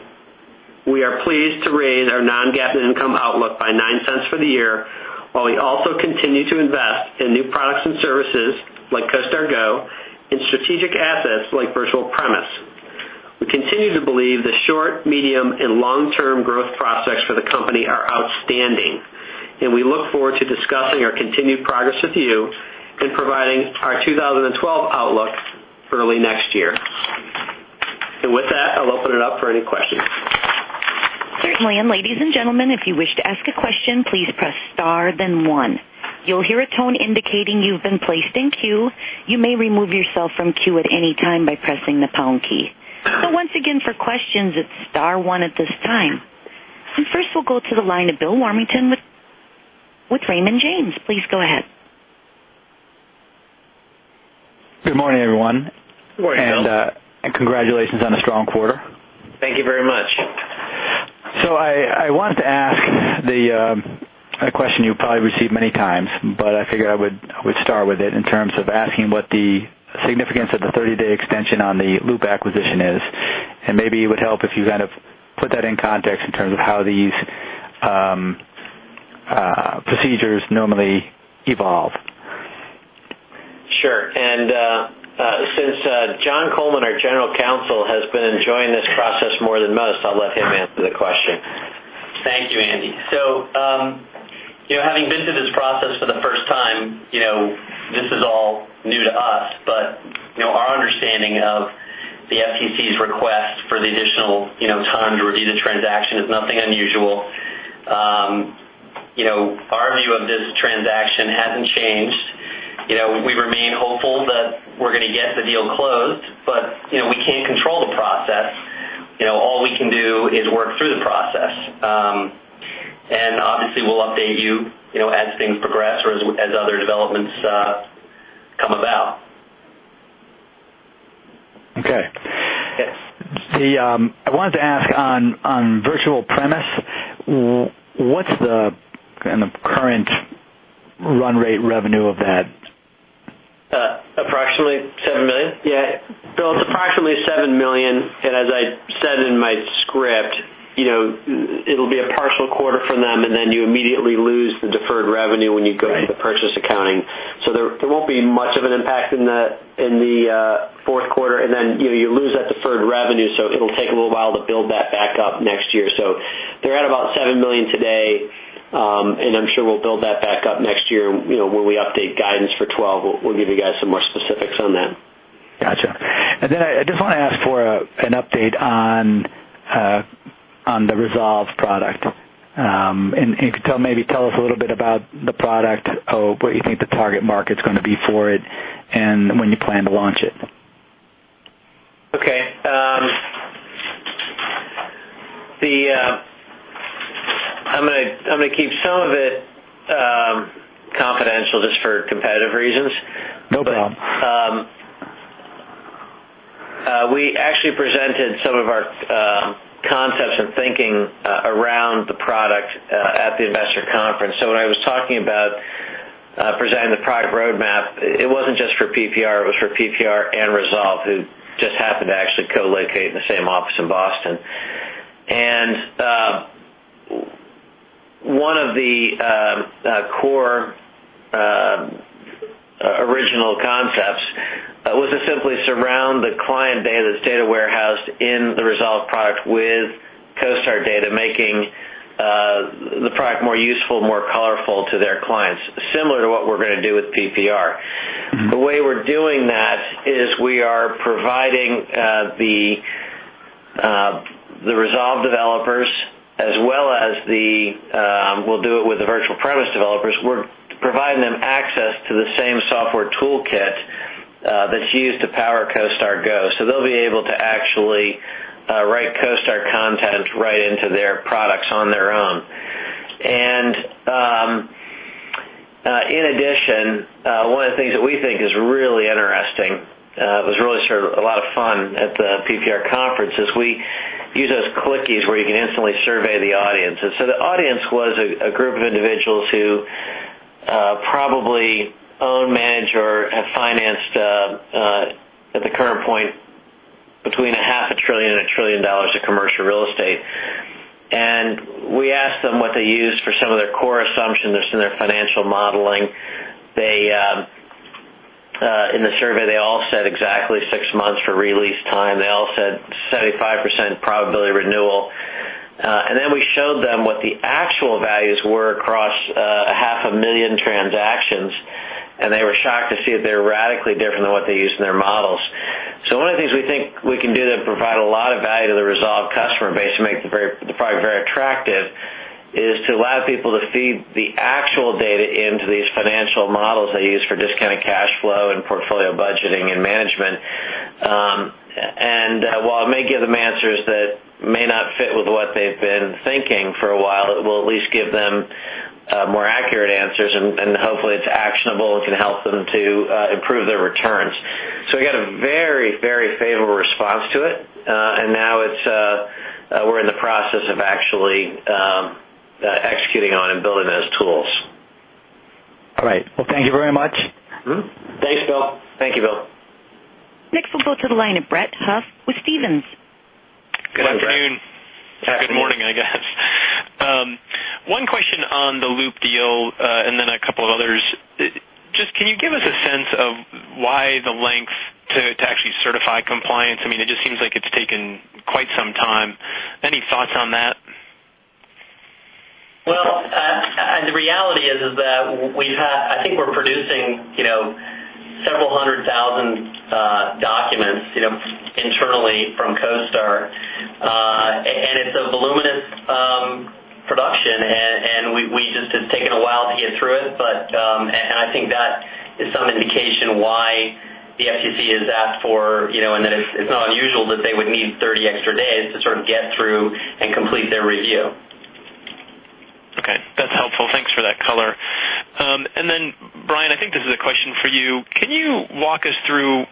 We are pleased to raise our non-GAAP net income outlook by $0.09 for the year, while we also continue to invest in new products and services like CoStar Go and strategic assets like Virtual Premise. We continue to believe the short, medium, and long-term growth prospects for the company are outstanding, and we look forward to discussing our continued progress with you and providing our 2012 outlook early next year. With that, I'll open it up for any questions. Certainly. Ladies and gentlemen, if you wish to ask a question, please press star, then one. You'll hear a tone indicating you've been placed in queue. You may remove yourself from queue at any time by pressing the pound key. For questions, it's star one at this time. First, we'll go to the line of Bill Warmington with Raymond James. Please go ahead. Good morning, everyone. Good morning. Congratulations on a strong quarter. Thank you very much. I want to ask a question you've probably received many times, but I figured I would start with it in terms of asking what the significance of the 30-day extension on the LoopNet acquisition is. Maybe it would help if you kind of put that in context in terms of how these procedures normally evolve. Sure. Since John Coleman, our General Counsel, has been enjoying this process more than most, I'll let him answer the question. Thank you, Andy. Having been through this process for the first time, this is all new to us. Our understanding of the FTC's request for the initial time to review the transaction is nothing unusual. Our view of this transaction hasn't changed. We remain hopeful that we're going to get the deal closed, but we can't control the process. All we can do is work through the process. Obviously, we'll update you as things progress or as other developments come about. Okay. I wanted to ask on Virtual Premise, what's the kind of current run rate revenue of that? Approximately $7 million. Yeah. Bill, it's approximately $7 million. As I said in my script, you know, it'll be a partial quarter for them, and you immediately lose the deferred revenue when you go to the purchase accounting. There won't be much of an impact in the Fourth Quarter. You lose that deferred revenue, so it'll take a little while to build that back up next year. They're at about $7 million today, and I'm sure we'll build that back up next year. When we update guidance for 2012, we'll give you guys some more specifics on that. Got you. I just want to ask for an update on the Resolve product. If you don't, maybe tell us a little bit about the product, what you think the target market's going to be for it, and when you plan to launch it. Okay. I'm going to keep some of it confidential just for competitive reasons. No problem. We actually presented some of our concepts and thinking around the product at the investor conference. When I was talking about presenting the product roadmap, it wasn't just for PPR; it was for PPR and Resolve, who just happened to actually co-locate in the same office in Boston. One of the core original concepts was to simply surround the client data that's data warehoused in the Resolve product with CoStar data, making the product more useful, more colorful to their clients, similar to what we're going to do with PPR. The way we're doing that is we are providing the Resolve developers as well as the Virtual Premise developers access to the same software toolkit that's used to power CoStar Go. They'll be able to actually write CoStar content right into their products on their own. In addition, one of the things that we think is really interesting, it was really sort of a lot of fun at the PPR conference, is we use those clickies where you can instantly survey the audience. The audience was a group of individuals who probably own, manage, or have financed at the current point between $500 billion and $1 trillion of commercial real estate. We asked them what they use for some of their core assumptions in their financial modeling. In the survey, they all said exactly six months for release time. They all said 75% probability renewal. We showed them what the actual values were across 500,000 transactions, and they were shocked to see that they're radically different than what they use in their models. One of the things we think we can do to provide a lot of value to the Resolve customer base, to make the product very attractive, is to allow people to feed the actual data into these financial models they use for discounted cash flow and portfolio budgeting and management. While it may give them answers that may not fit with what they've been thinking for a while, it will at least give them more accurate answers, and hopefully, it's actionable and can help them to improve their returns. We got a very, very favorable response to it, and now we're in the process of actually executing on and building those tools. All right. Thank you very much. Thanks, Bill. Thank you, Bill. Next, we'll go to the line of Brett Huff with Stephens. Good afternoon. Good morning, I guess. One question on the LoopNet deal and then a couple of others. Can you give us a sense of why the length to actually certify compliance? It just seems like it's taken quite some time. Any thoughts on that? The reality is that we've had, I think we're producing several hundred thousand documents internally from CoStar. It's a voluminous production, and it's taken a while to get through it. I think that is some indication why the FTC has asked for, you know, and that it's not unusual that they would need 30 extra days to sort of get through and complete their review. Okay. That's helpful. Thanks for that color. Brian, I think this is a question for you. Can you walk us through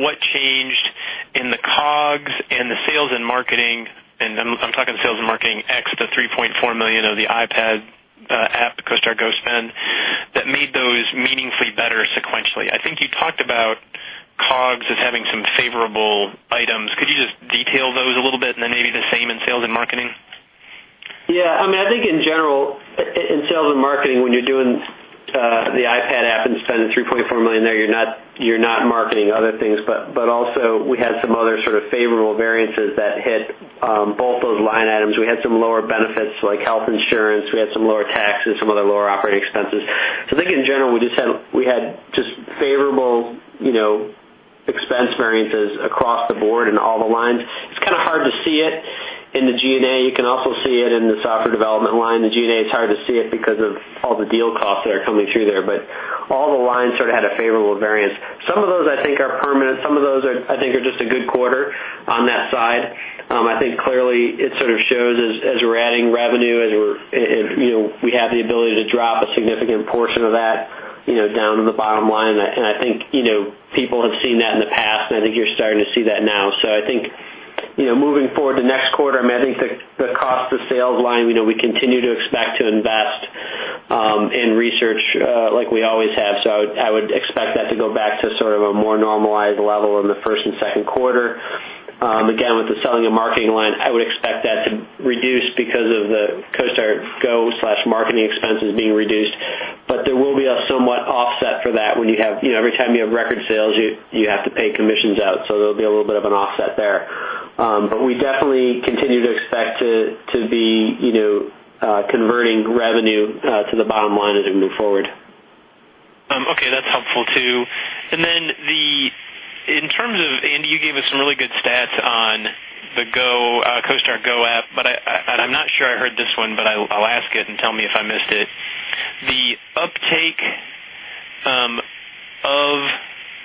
what changed in the COGs and the sales and marketing? I'm talking sales and marketing excluding the $3.4 million of the iPad app, the CoStar Go spend that made those meaningfully better sequentially. I think you talked about COGs as having some favorable items. Could you just detail those a little bit and maybe the same in sales and marketing? Yeah. I mean, I think in general, in sales and marketing, when you're doing the iPad app and spending $3.4 million there, you're not marketing other things. We had some other sort of favorable variances that hit both those line items. We had some lower benefits like health insurance. We had some lower taxes, some other lower operating expenses. I think in general, we just had favorable expense variances across the board in all the lines. It's kind of hard to see it in the G&A. You can also see it in the software development line. The G&A, it's hard to see it because of all the deal costs that are coming through there. All the lines sort of had a favorable variance. Some of those, I think, are permanent. Some of those, I think, are just a good quarter on that side. I think clearly it sort of shows as we're adding revenue and we have the ability to drop a significant portion of that down in the bottom line. I think people have seen that in the past, and I think you're starting to see that now. I think, moving forward to next quarter, I mean, I think the cost of sales line, we continue to expect to invest in research like we always have. I would expect that to go back to sort of a more normalized level in the first and Second Quarter. Again, with the selling and marketing line, I would expect that to reduce because of the CoStar Go/marketing expenses being reduced. There will be a somewhat offset for that when you have, you know, every time you have record sales, you have to pay commissions out. There'll be a little bit of an offset there. We definitely continue to expect to be converting revenue to the bottom line as we move forward. Okay. That's helpful too. In terms of, you gave us some really good stats on the CoStar Go app, but I'm not sure I heard this one. I'll ask it and tell me if I missed it. The uptake of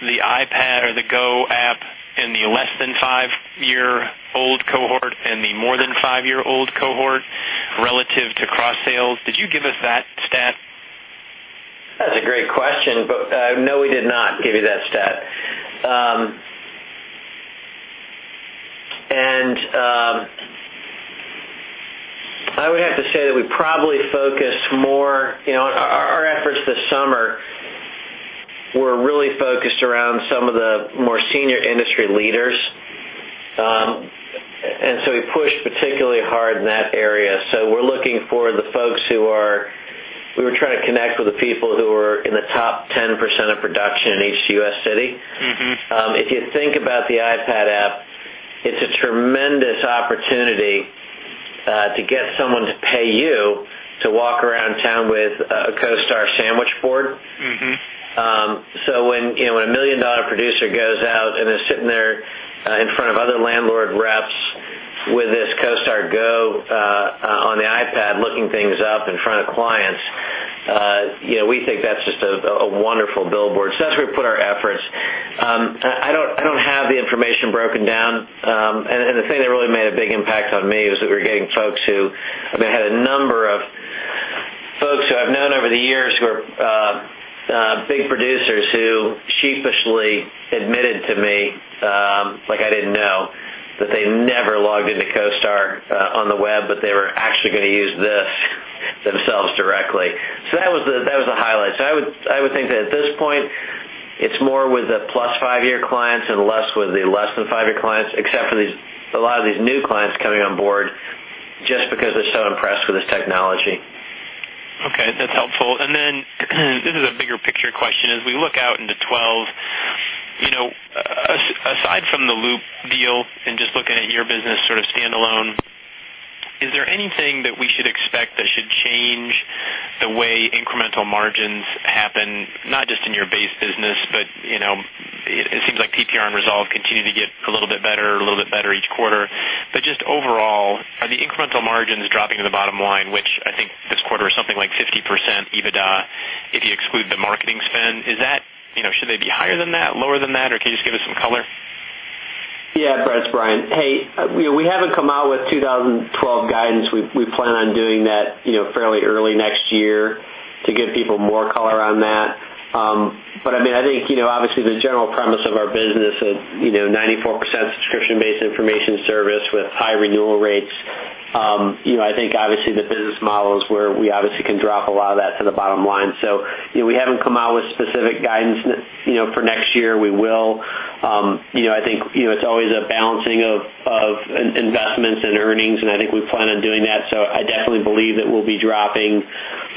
the iPad or the Go app in the less than five-year-old cohort and the more than five-year-old cohort relative to cross-selling, did you give us that stat? That's a great question, but no, we did not give you that stat. I would have to say that we probably focused more, you know, our efforts this summer were really focused around some of the more senior industry leaders. We pushed particularly hard in that area. We're looking for the folks who are, we were trying to connect with the people who were in the top 10% of production in each U.S. city. If you think about the iPad app, it's a tremendous opportunity to get someone to pay you to walk around town with a CoStar sandwich board. When a million-dollar producer goes out and is sitting there in front of other landlord reps with this CoStar Go on the iPad looking things up in front of clients, we think that's just a wonderful billboard. That's where we put our efforts. I don't have the information broken down. The thing that really made a big impact on me was that we were getting folks who, I mean, I had a number of folks who I've known over the years who are big producers who sheepishly admitted to me like I didn't know that they never logged into CoStar on the web, but they were actually going to use this themselves directly. That was the highlight. I would think that at this point, it's more with the plus five-year clients and less with the less than five-year clients, except for a lot of these new clients coming on board just because they're so impressed with this technology. Okay. That's helpful. This is a bigger picture question. As we look out into 2012, aside from the LoopNet deal and just looking at your business sort of standalone, is there anything that we should expect that should change the way incremental margins happen, not just in your base business? It seems like PPR and Resolve continue to get a little bit better, a little bit better each quarter. Just overall, are the incremental margins dropping to the bottom line, which I think this quarter is something like 50% EBITDA if you exclude the marketing spend? Is that, you know, should they be higher than that, lower than that, or can you just give us some color? Yeah, that's Brian. We haven't come out with 2012 guidance. We plan on doing that fairly early next year to give people more color on that. I think, obviously, the general premise of our business, 94% subscription-based information service with high renewal rates. I think the business model is where we can drop a lot of that to the bottom line. We haven't come out with specific guidance for next year. We will. I think it's always a balancing of investments and earnings, and we plan on doing that. I definitely believe that we'll be dropping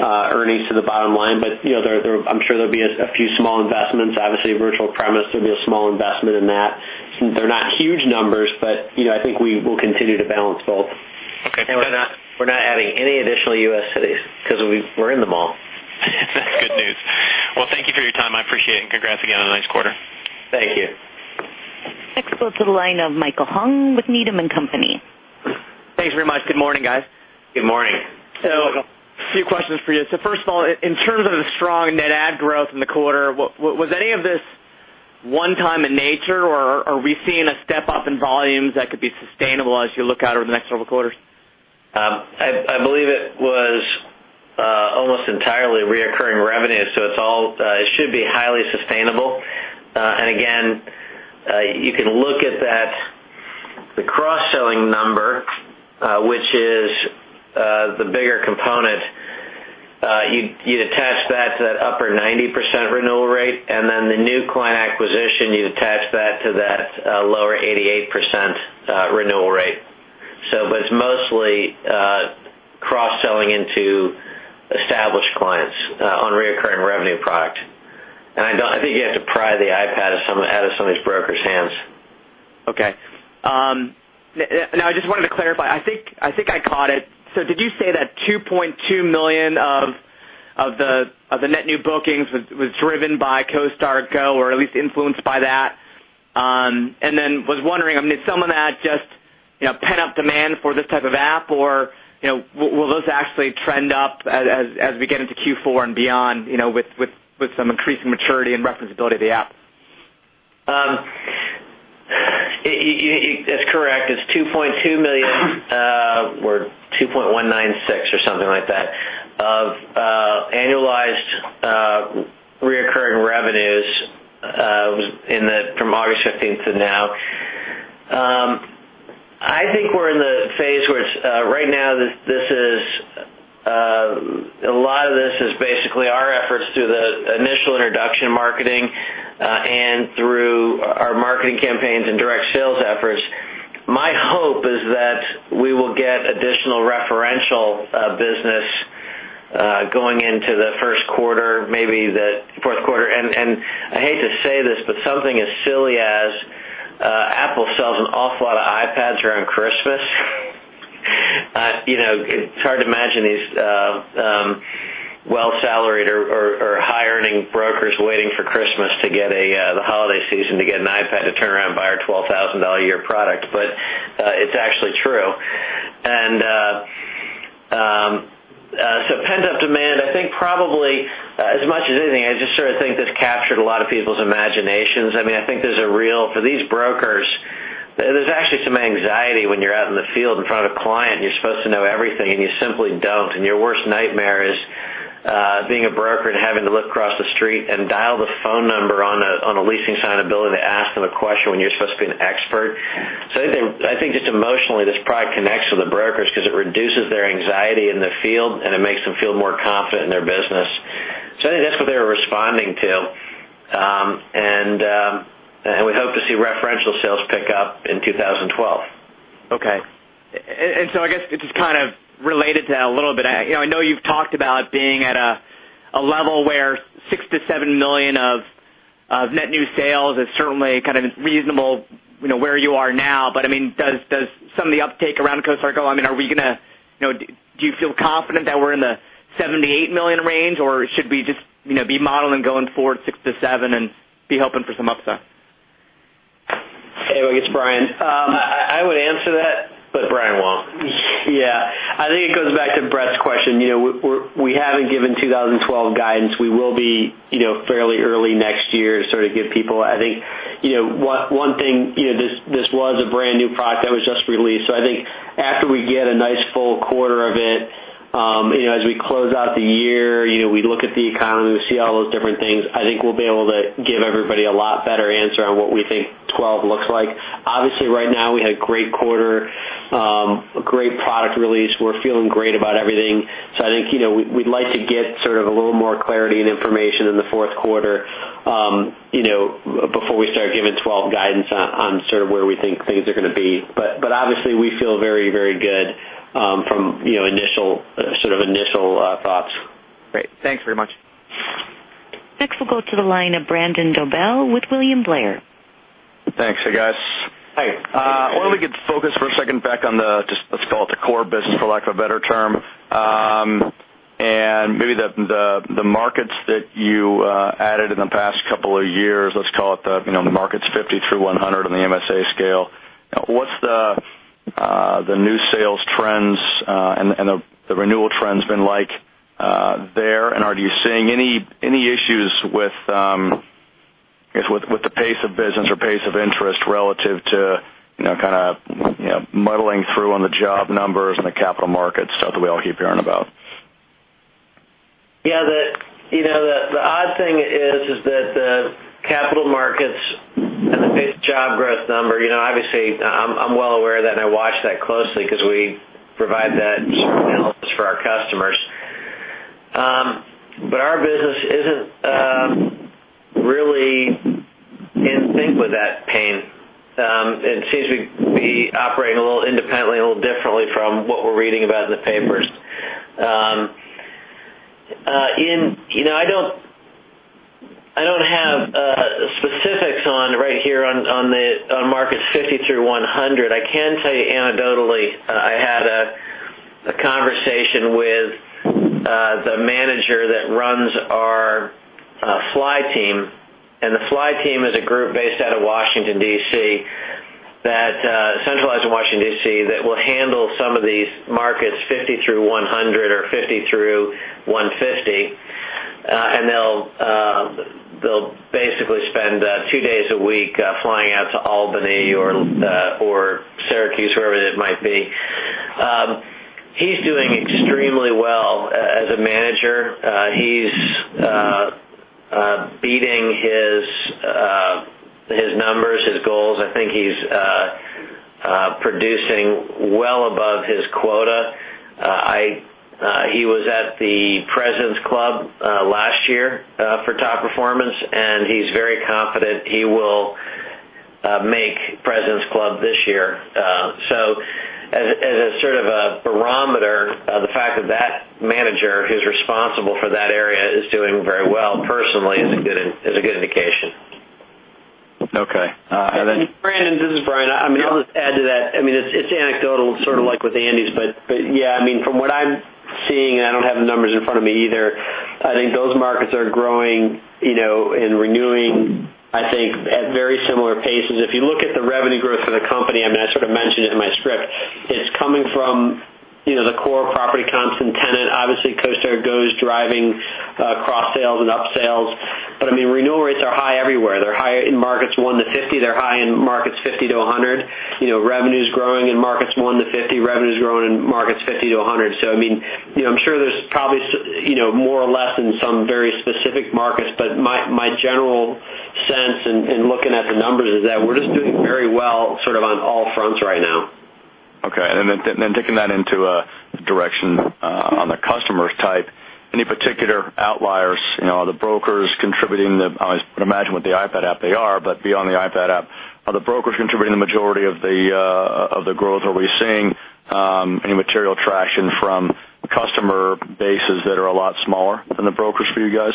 earnings to the bottom line. I'm sure there'll be a few small investments. Obviously, Virtual Premise, there'll be a small investment in that. They're not huge numbers, but I think we will continue to balance both. Okay. We're not adding any additional U.S. cities because we're in them all. That's good news. Thank you for your time. I appreciate it, and congrats again on a nice quarter. Thank you. Next, we'll go to the line of Michael Hung with Needham & Company. Thanks very much. Good morning, guys. Good morning. A few questions for you. First of all, in terms of the strong net ad growth in the quarter, was any of this one-time in nature, or are we seeing a step up in volumes that could be sustainable as you look out over the next several quarters? I believe it was almost entirely recurring revenue. It should be highly sustainable. You can look at that, the cross-selling number, which is the bigger component. You'd attach that to that upper 90% renewal rate, and then the new client acquisition, you'd attach that to that lower 88% renewal rate. It's mostly cross-selling into established clients on recurring revenue product. I think you have to pry the iPad out of some of these brokers' hands. Okay. Now, I just wanted to clarify. I think I caught it. Did you say that $2.2 million of the net new bookings was driven by CoStar Go, or at least influenced by that? I was wondering, did some of that just, you know, pent-up demand for this type of app, or will those actually trend up as we get into Q4 and beyond, with some increasing maturity and referenceability of the app? That's correct. It's $2.2 million or $2.196 million or something like that of annualized recurring revenues from August 15th to now. I think we're in the phase where right now, this is a lot of this is basically our efforts through the initial introduction marketing and through our marketing campaigns and direct sales efforts. My hope is that we will get additional referential business going into the First Quarter, maybe the Fourth Quarter. I hate to say this, but something as silly as Apple sells an awful lot of iPads around Christmas. It's hard to imagine these well-salaried or high-earning brokers waiting for Christmas to get the holiday season to get an iPad to turn around and buy our $12,000 a year product, but it's actually true. Pent-up demand, I think probably as much as anything, I just sort of think this captured a lot of people's imaginations. I mean, I think there's a real, for these brokers, there's actually some anxiety when you're out in the field in front of a client and you're supposed to know everything and you simply don't. Your worst nightmare is being a broker and having to look across the street and dial the phone number on a leasing sign to ask them a question when you're supposed to be an expert. I think just emotionally, this product connects with the brokers because it reduces their anxiety in the field and it makes them feel more confident in their business. I think that's what they were responding to. We hope to see referential sales pick up in 2012. Okay. I guess it's just kind of related to that a little bit. You know, I know you've talked about being at a level where $6-$7 million of net new sales is certainly kind of reasonable, you know, where you are now. Does some of the uptake around CoStar Go, I mean, are we going to, you know, do you feel confident that we're in the $7-$8 million range, or should we just, you know, be modeling going forward $6-$7 million and be hoping for some upside? Hey, I guess Brian. I would answer that, but Brian won't. I think it goes back to Brett's question. We haven't given 2012 guidance. We will be fairly early next year to sort of give people, I think, one thing, this was a brand new product that was just released. I think after we get a nice full quarter of it, as we close out the year, we look at the economy, we see all those different things, I think we'll be able to give everybody a lot better answer on what we think 2012 looks like. Obviously, right now, we had a great quarter, a great product release. We're feeling great about everything. I think we'd like to get sort of a little more clarity and information in the Fourth Quarter before we start giving 2012 guidance on sort of where we think things are going to be. Obviously, we feel very, very good from initial sort of initial thoughts. Great. Thanks very much. Next, we'll go to the line of Brandon Dobell with William Blair. Thanks, hey guys. Hey, I want to get focused for a second back on the, let's call it the core business, for lack of a better term, and maybe the markets that you added in the past couple of years, let's call it the markets 50 through 100 on the MSA scale. What's the new sales trends and the renewal trends been like there? Are you seeing any issues with the pace of business or pace of interest relative to kind of muddling through on the job numbers and the capital market stuff that we all keep hearing about? Yeah. The odd thing is that the capital markets and the big job growth number, you know, obviously, I'm well aware of that and I watch that closely because we provide that analysis for our customers. Our business isn't really in sync with that pain. It seems to be operating a little independently, a little differently from what we're reading about in the papers. I don't have specifics right here on markets 50 through 100. I can tell you anecdotally, I had a conversation with the manager that runs our fly team. The fly team is a group based out of Washington, DC, that is centralized in Washington, DC, that will handle some of these markets 50 through 100 or 50 through 150. They'll basically spend two days a week flying out to Albany or Syracuse, wherever it might be. He's doing extremely well as a manager. He's beating his numbers, his goals. I think he's producing well above his quota. He was at the President's Club last year for top performance, and he's very confident he will make President's Club this year. As a sort of a barometer, the fact that that manager who's responsible for that area is doing very well personally is a good indication. Okay. Then. Brandon, this is Brian. I'll just add to that. It's anecdotal, sort of like with Andy's, but from what I'm seeing, and I don't have the numbers in front of me either, I think those markets are growing and renewing, I think, at very similar paces. If you look at the revenue growth for the company, I sort of mentioned it in my script, it's coming from the core property comps and tenant. Obviously, CoStar Go is driving cross-sales and up-sales. Renewal rates are high everywhere. They're high in markets 1-50. They're high in markets 50-100. Revenue is growing in markets 1-50. Revenue is growing in markets 50-100. I'm sure there's probably more or less in some very specific markets, but my general sense in looking at the numbers is that we're just doing very well on all fronts right now. Okay. Taking that into the direction on the customer type, any particular outliers? You know, are the brokers contributing? I would imagine with the iPad app they are, but beyond the iPad app, are the brokers contributing the majority of the growth? Are we seeing any material traction from customer bases that are a lot smaller than the brokers for you guys?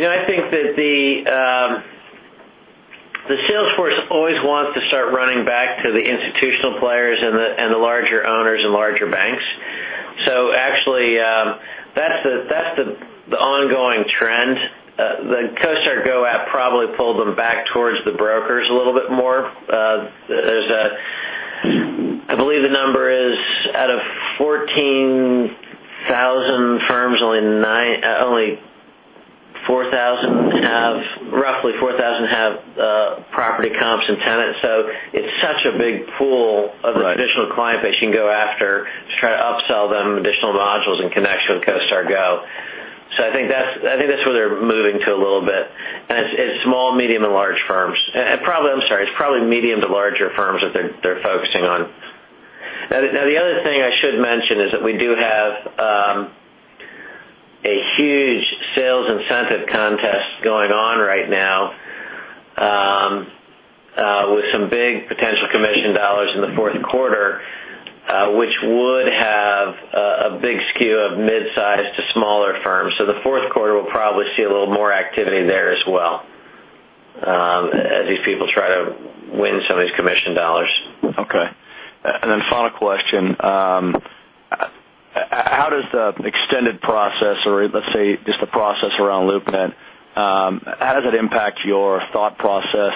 I think that the sales force always wants to start running back to the institutional players and the larger owners and larger banks. Actually, that's the ongoing trend. The CoStar Go app probably pulled them back towards the brokers a little bit more. I believe the number is out of 14,000 firms, only 4,000 have property comps and tenants. It's such a big pool of the traditional client base you can go after to try to upsell them additional modules in connection with CoStar Go. I think that's where they're moving to a little bit. It's small, medium, and large firms. It's probably medium to larger firms that they're focusing on. The other thing I should mention is that we do have a huge sales incentive contest going on right now with some big potential commission dollars in the Fourth Quarter, which would have a big skew of mid-sized to smaller firms. The Fourth Quarter will probably see a little more activity there as well as these people try to win some of these commission dollars. Okay. And then final question. How does the extended process, or let's say just the process around LoopNet, how does that impact your thought process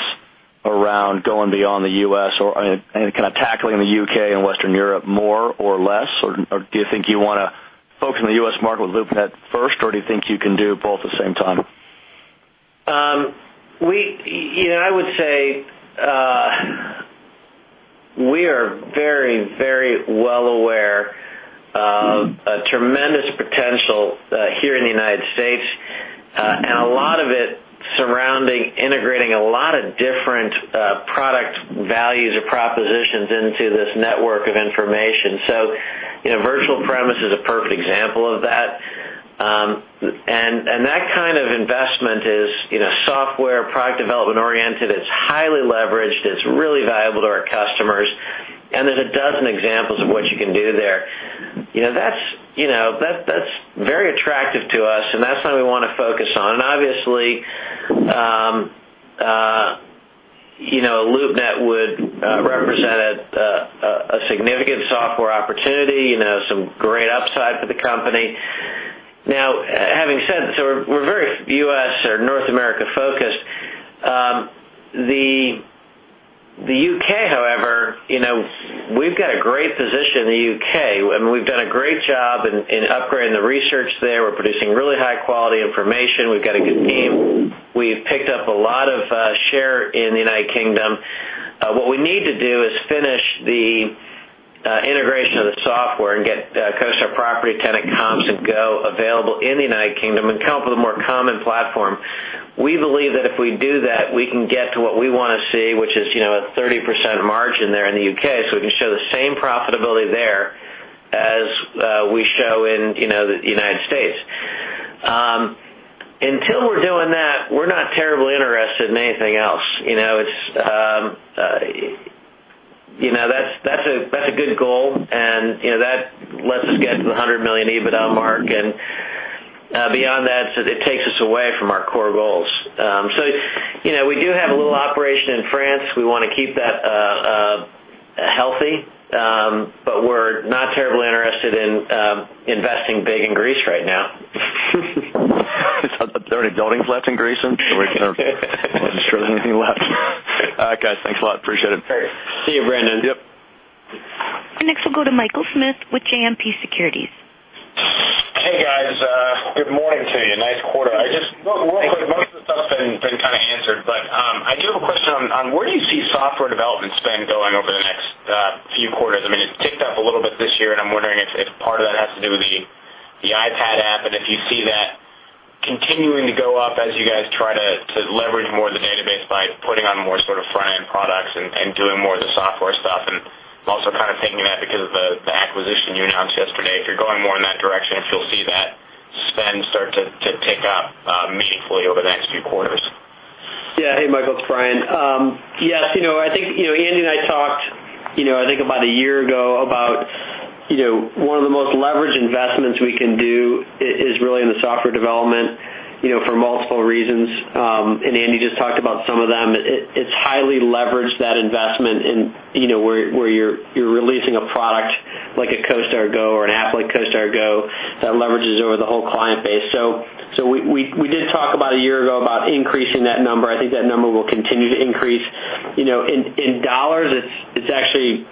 around going beyond the U.S. or kind of tackling the UK and Western Europe more or less? Do you think you want to focus on the U.S. market with LoopNet first, or do you think you can do both at the same time? I would say we are very, very well aware of a tremendous potential here in the United States, and a lot of it surrounding integrating a lot of different product values or propositions into this network of information. Virtual Premise is a perfect example of that. That kind of investment is software, product development-oriented. It's highly leveraged. It's really valuable to our customers. There are a dozen examples of what you can do there. That's very attractive to us, and that's something we want to focus on. Obviously, LoopNet would represent a significant software opportunity, some great upside for the company. Having said that, we are very U.S. or North America focused. The UK, however, we've got a great position in the UK. We've done a great job in upgrading the research there. We're producing really high-quality information. We've got a good team. We've picked up a lot of share in the United Kingdom. What we need to do is finish the integration of the software and get CoStar Property, Tenant Comps, and CoStar Go available in the United Kingdom and come up with a more common platform. We believe that if we do that, we can get to what we want to see, which is a 30% margin there in the UK. We can show the same profitability there as we show in the United States. Until we're doing that, we're not terribly interested in anything else. That's a good goal, and that lets us get to the $100 million EBITDA mark. Beyond that, it takes us away from our core goals. We do have a little operation in France. We want to keep that healthy, but we're not terribly interested in investing big in Greece right now. Is there any building left in Greece? I'm not sure there's anything left. All right, guys, thanks a lot. Appreciate it. Sure. See you, Brandon. Next, we'll go to Michael Smith with Citizens JMP. Hey, guys. Good morning to you. Nice quarter. I just, real quick, most of the stuff has been kind of answered, but I do have a question on where do you see software development spend going over the next few quarters? I mean, it ticked up a little bit this year, and I'm wondering if part of that has to do with the iPad app and if you see that continuing. to go up as you guys try to leverage more of the database by putting on more sort of front-end products and doing more of the software stuff. I'm also kind of taking that because of the acquisition you announced yesterday. If you're going more in that direction, you'll see that spend start to tick up meaningfully over the next few quarters. Yeah. Hey, Michael. It's Brian. I think, you know, Andy and I talked, I think about a year ago about one of the most leveraged investments we can do is really in the software development for multiple reasons. Andy just talked about some of them. It's highly leveraged, that investment, and where you're releasing a product like CoStar Go or an app like CoStar Go that leverages over the whole client base. We did talk about a year ago about increasing that number. I think that number will continue to increase. In dollars, it's actually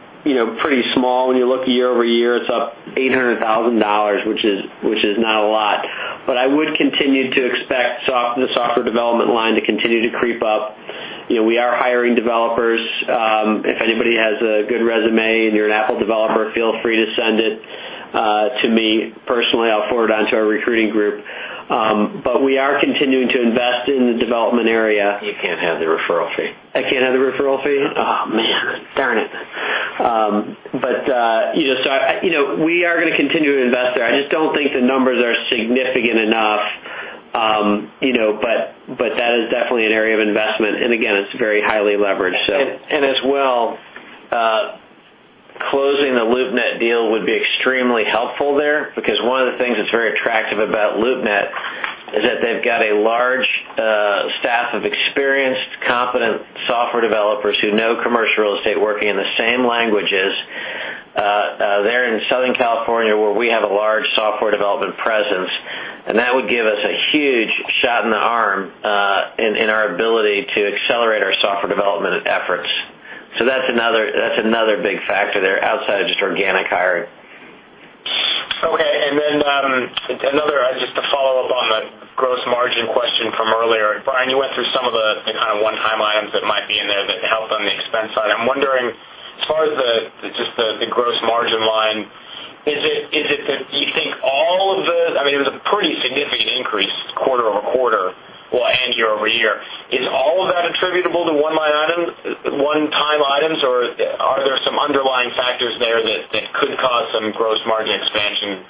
pretty small. When you look year-over-year, it's up $800,000, which is not a lot. I would continue to expect the software development line to continue to creep up. We are hiring developers. If anybody has a good resume and you're an Apple developer, feel free to send it to me personally. I'll forward it on to our recruiting group. We are continuing to invest in the development area. You can't have the referral fee. I can't have the referral fee? Oh, man. Darn it. You know, we are going to continue to invest there. I just don't think the numbers are significant enough. You know, but that is definitely an area of investment. It is very highly leveraged. Closing the LoopNet deal would be extremely helpful there because one of the things that's very attractive about LoopNet is that they've got a large staff of experienced, competent software developers who know commercial real estate working in the same languages. They're in Southern California where we have a large software development presence. That would give us a huge shot in the arm in our ability to accelerate our software development efforts. That's another big factor there outside of just organic hiring. Okay. Another, just to follow up on the gross margin question from earlier, Brian, you went through some of the kind of one-time items that might be in there that helped on the expense side. I'm wondering, as far as the gross margin line, is it that, do you think all of the, I mean, it was a pretty significant increase quarter-over-quarter and year-over-year. Is all of that attributable to one line item, one-time items, or are there some underlying factors there that could cause some gross margin expansion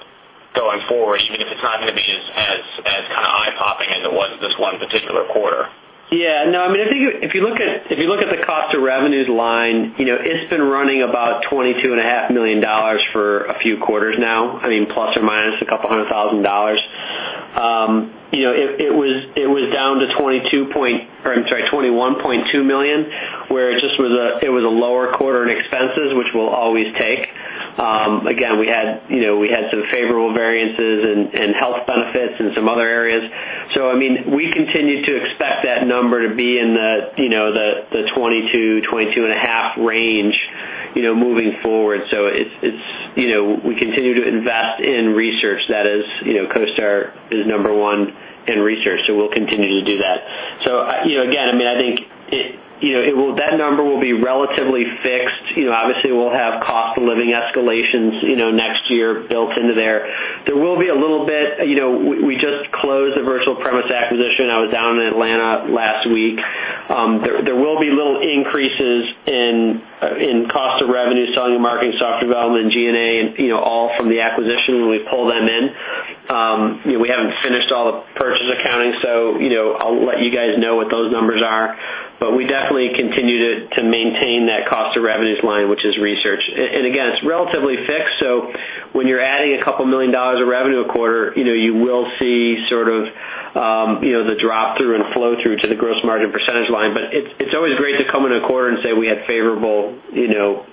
going forward, even if it's not going to be as kind of eye-popping as it was this one particular quarter? Yeah. No. I mean, I think if you look at the cost of revenue line, you know, it's been running about $22.5 million for a few quarters now, plus or minus a couple hundred thousand dollars. It was down to $21.2 million, where it just was a lower quarter in expenses, which we'll always take. Again, we had some favorable variances in health benefits and some other areas. I mean, we continue to expect that number to be in the $22, $22.5 million range moving forward. It's, you know, we continue to invest in research. That is, CoStar is number one in research. We'll continue to do that. I think that number will be relatively fixed. Obviously, we'll have cost of living escalations next year built into there. There will be a little bit, we just closed the Virtual Premise acquisition. I was down in Atlanta last week. There will be little increases in cost of revenue, selling and marketing, software development, and G&A, all from the acquisition when we pull them in. We haven't finished all the purchase accounting, so I'll let you guys know what those numbers are. We definitely continue to maintain that cost of revenues line, which is research, and again, it's relatively fixed. When you're adding a couple million dollars of revenue a quarter, you will see the drop through and flow through to the gross margin percentage line. It's always great to come in a quarter and say we had favorable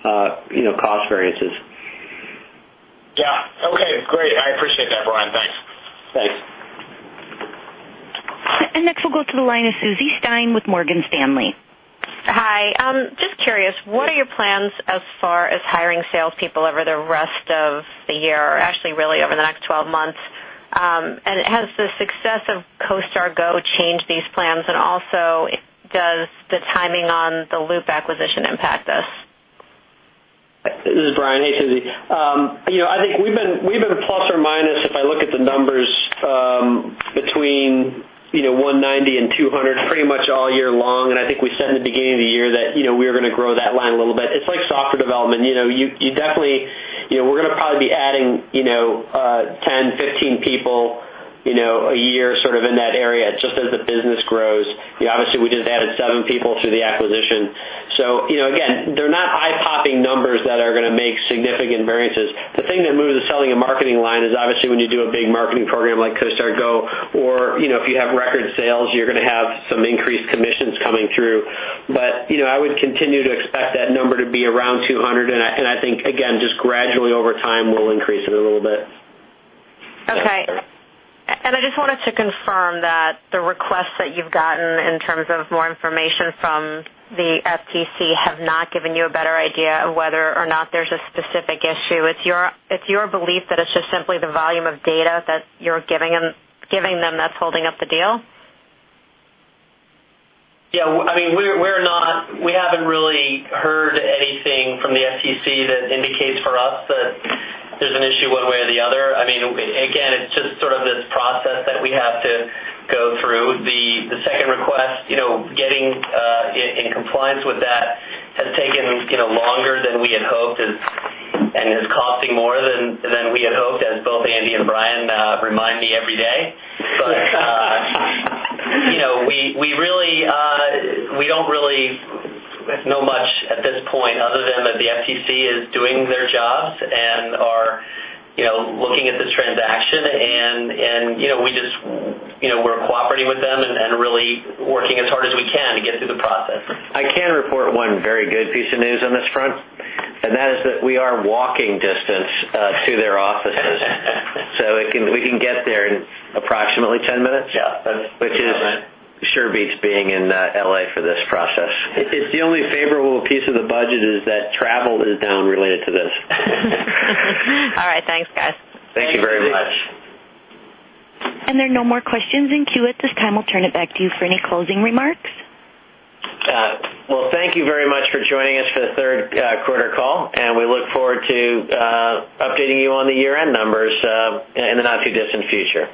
cost variances. Yeah. Okay. Great. I appreciate that, Brian. Thanks. Thanks. Next, we'll go to the line of Suzie Stein with Morgan Stanley. Hi, just curious, what are your plans as far as hiring salespeople over the rest of the year or actually really over the next twelve months? Has the success of CoStar Go changed these plans? Also, does the timing on the LoopNet acquisition impact this? This is Brian. Hey, Suzie. I think we've been plus or minus, if I look at the numbers, between $190 million and $200 million pretty much all year long. I think we said in the beginning of the year that we were going to grow that line a little bit. It's like software development. You definitely, you know, we're going to probably be adding ten, fifteen people a year sort of in that area just as the business grows. Obviously, we just added seven people through the acquisition. Again, they're not eye-popping numbers that are going to make significant variances. The thing that moves the selling and marketing line is obviously when you do a big marketing program like CoStar Go or if you have record sales, you're going to have some increased commissions coming through. I would continue to expect that number to be around $200 million. I think, again, just gradually over time, we'll increase it a little bit. Okay. I just wanted to confirm that the requests that you've gotten in terms of more information from the FTC have not given you a better idea of whether or not there's a specific issue. It's your belief that it's just simply the volume of data that you're giving them that's holding up the deal? Yeah. I mean, we're not, we haven't really heard anything from the FTC that indicates for us that there's an issue one way or the other. I mean, again, it's just sort of this process that we have to go through. The second request, you know, getting in compliance with that has taken, you know, longer than we had hoped and is costing more than we had hoped, as both Andy and Brian remind me every day. You know, we really, we don't really know much at this point other than that the FTC is doing their jobs and are, you know, looking at this transaction. You know, we just, you know, we're cooperating with them and really working as hard as we can to get through the process. I can report one very good piece of news on this front, and that is that we are walking distance to their offices. We can get there in approximately ten minutes. Yeah. Which is a sure beach being in L.A. for this process. The only favorable piece of the budget is that travel is down related to this. All right. Thanks, guys. Thank you. Thank you very much. There are no more questions in queue at this time. We'll turn it back to you for any closing remarks. Thank you very much for joining us for the Third Quarter call. We look forward to updating you on the year-end numbers in the not too distant future.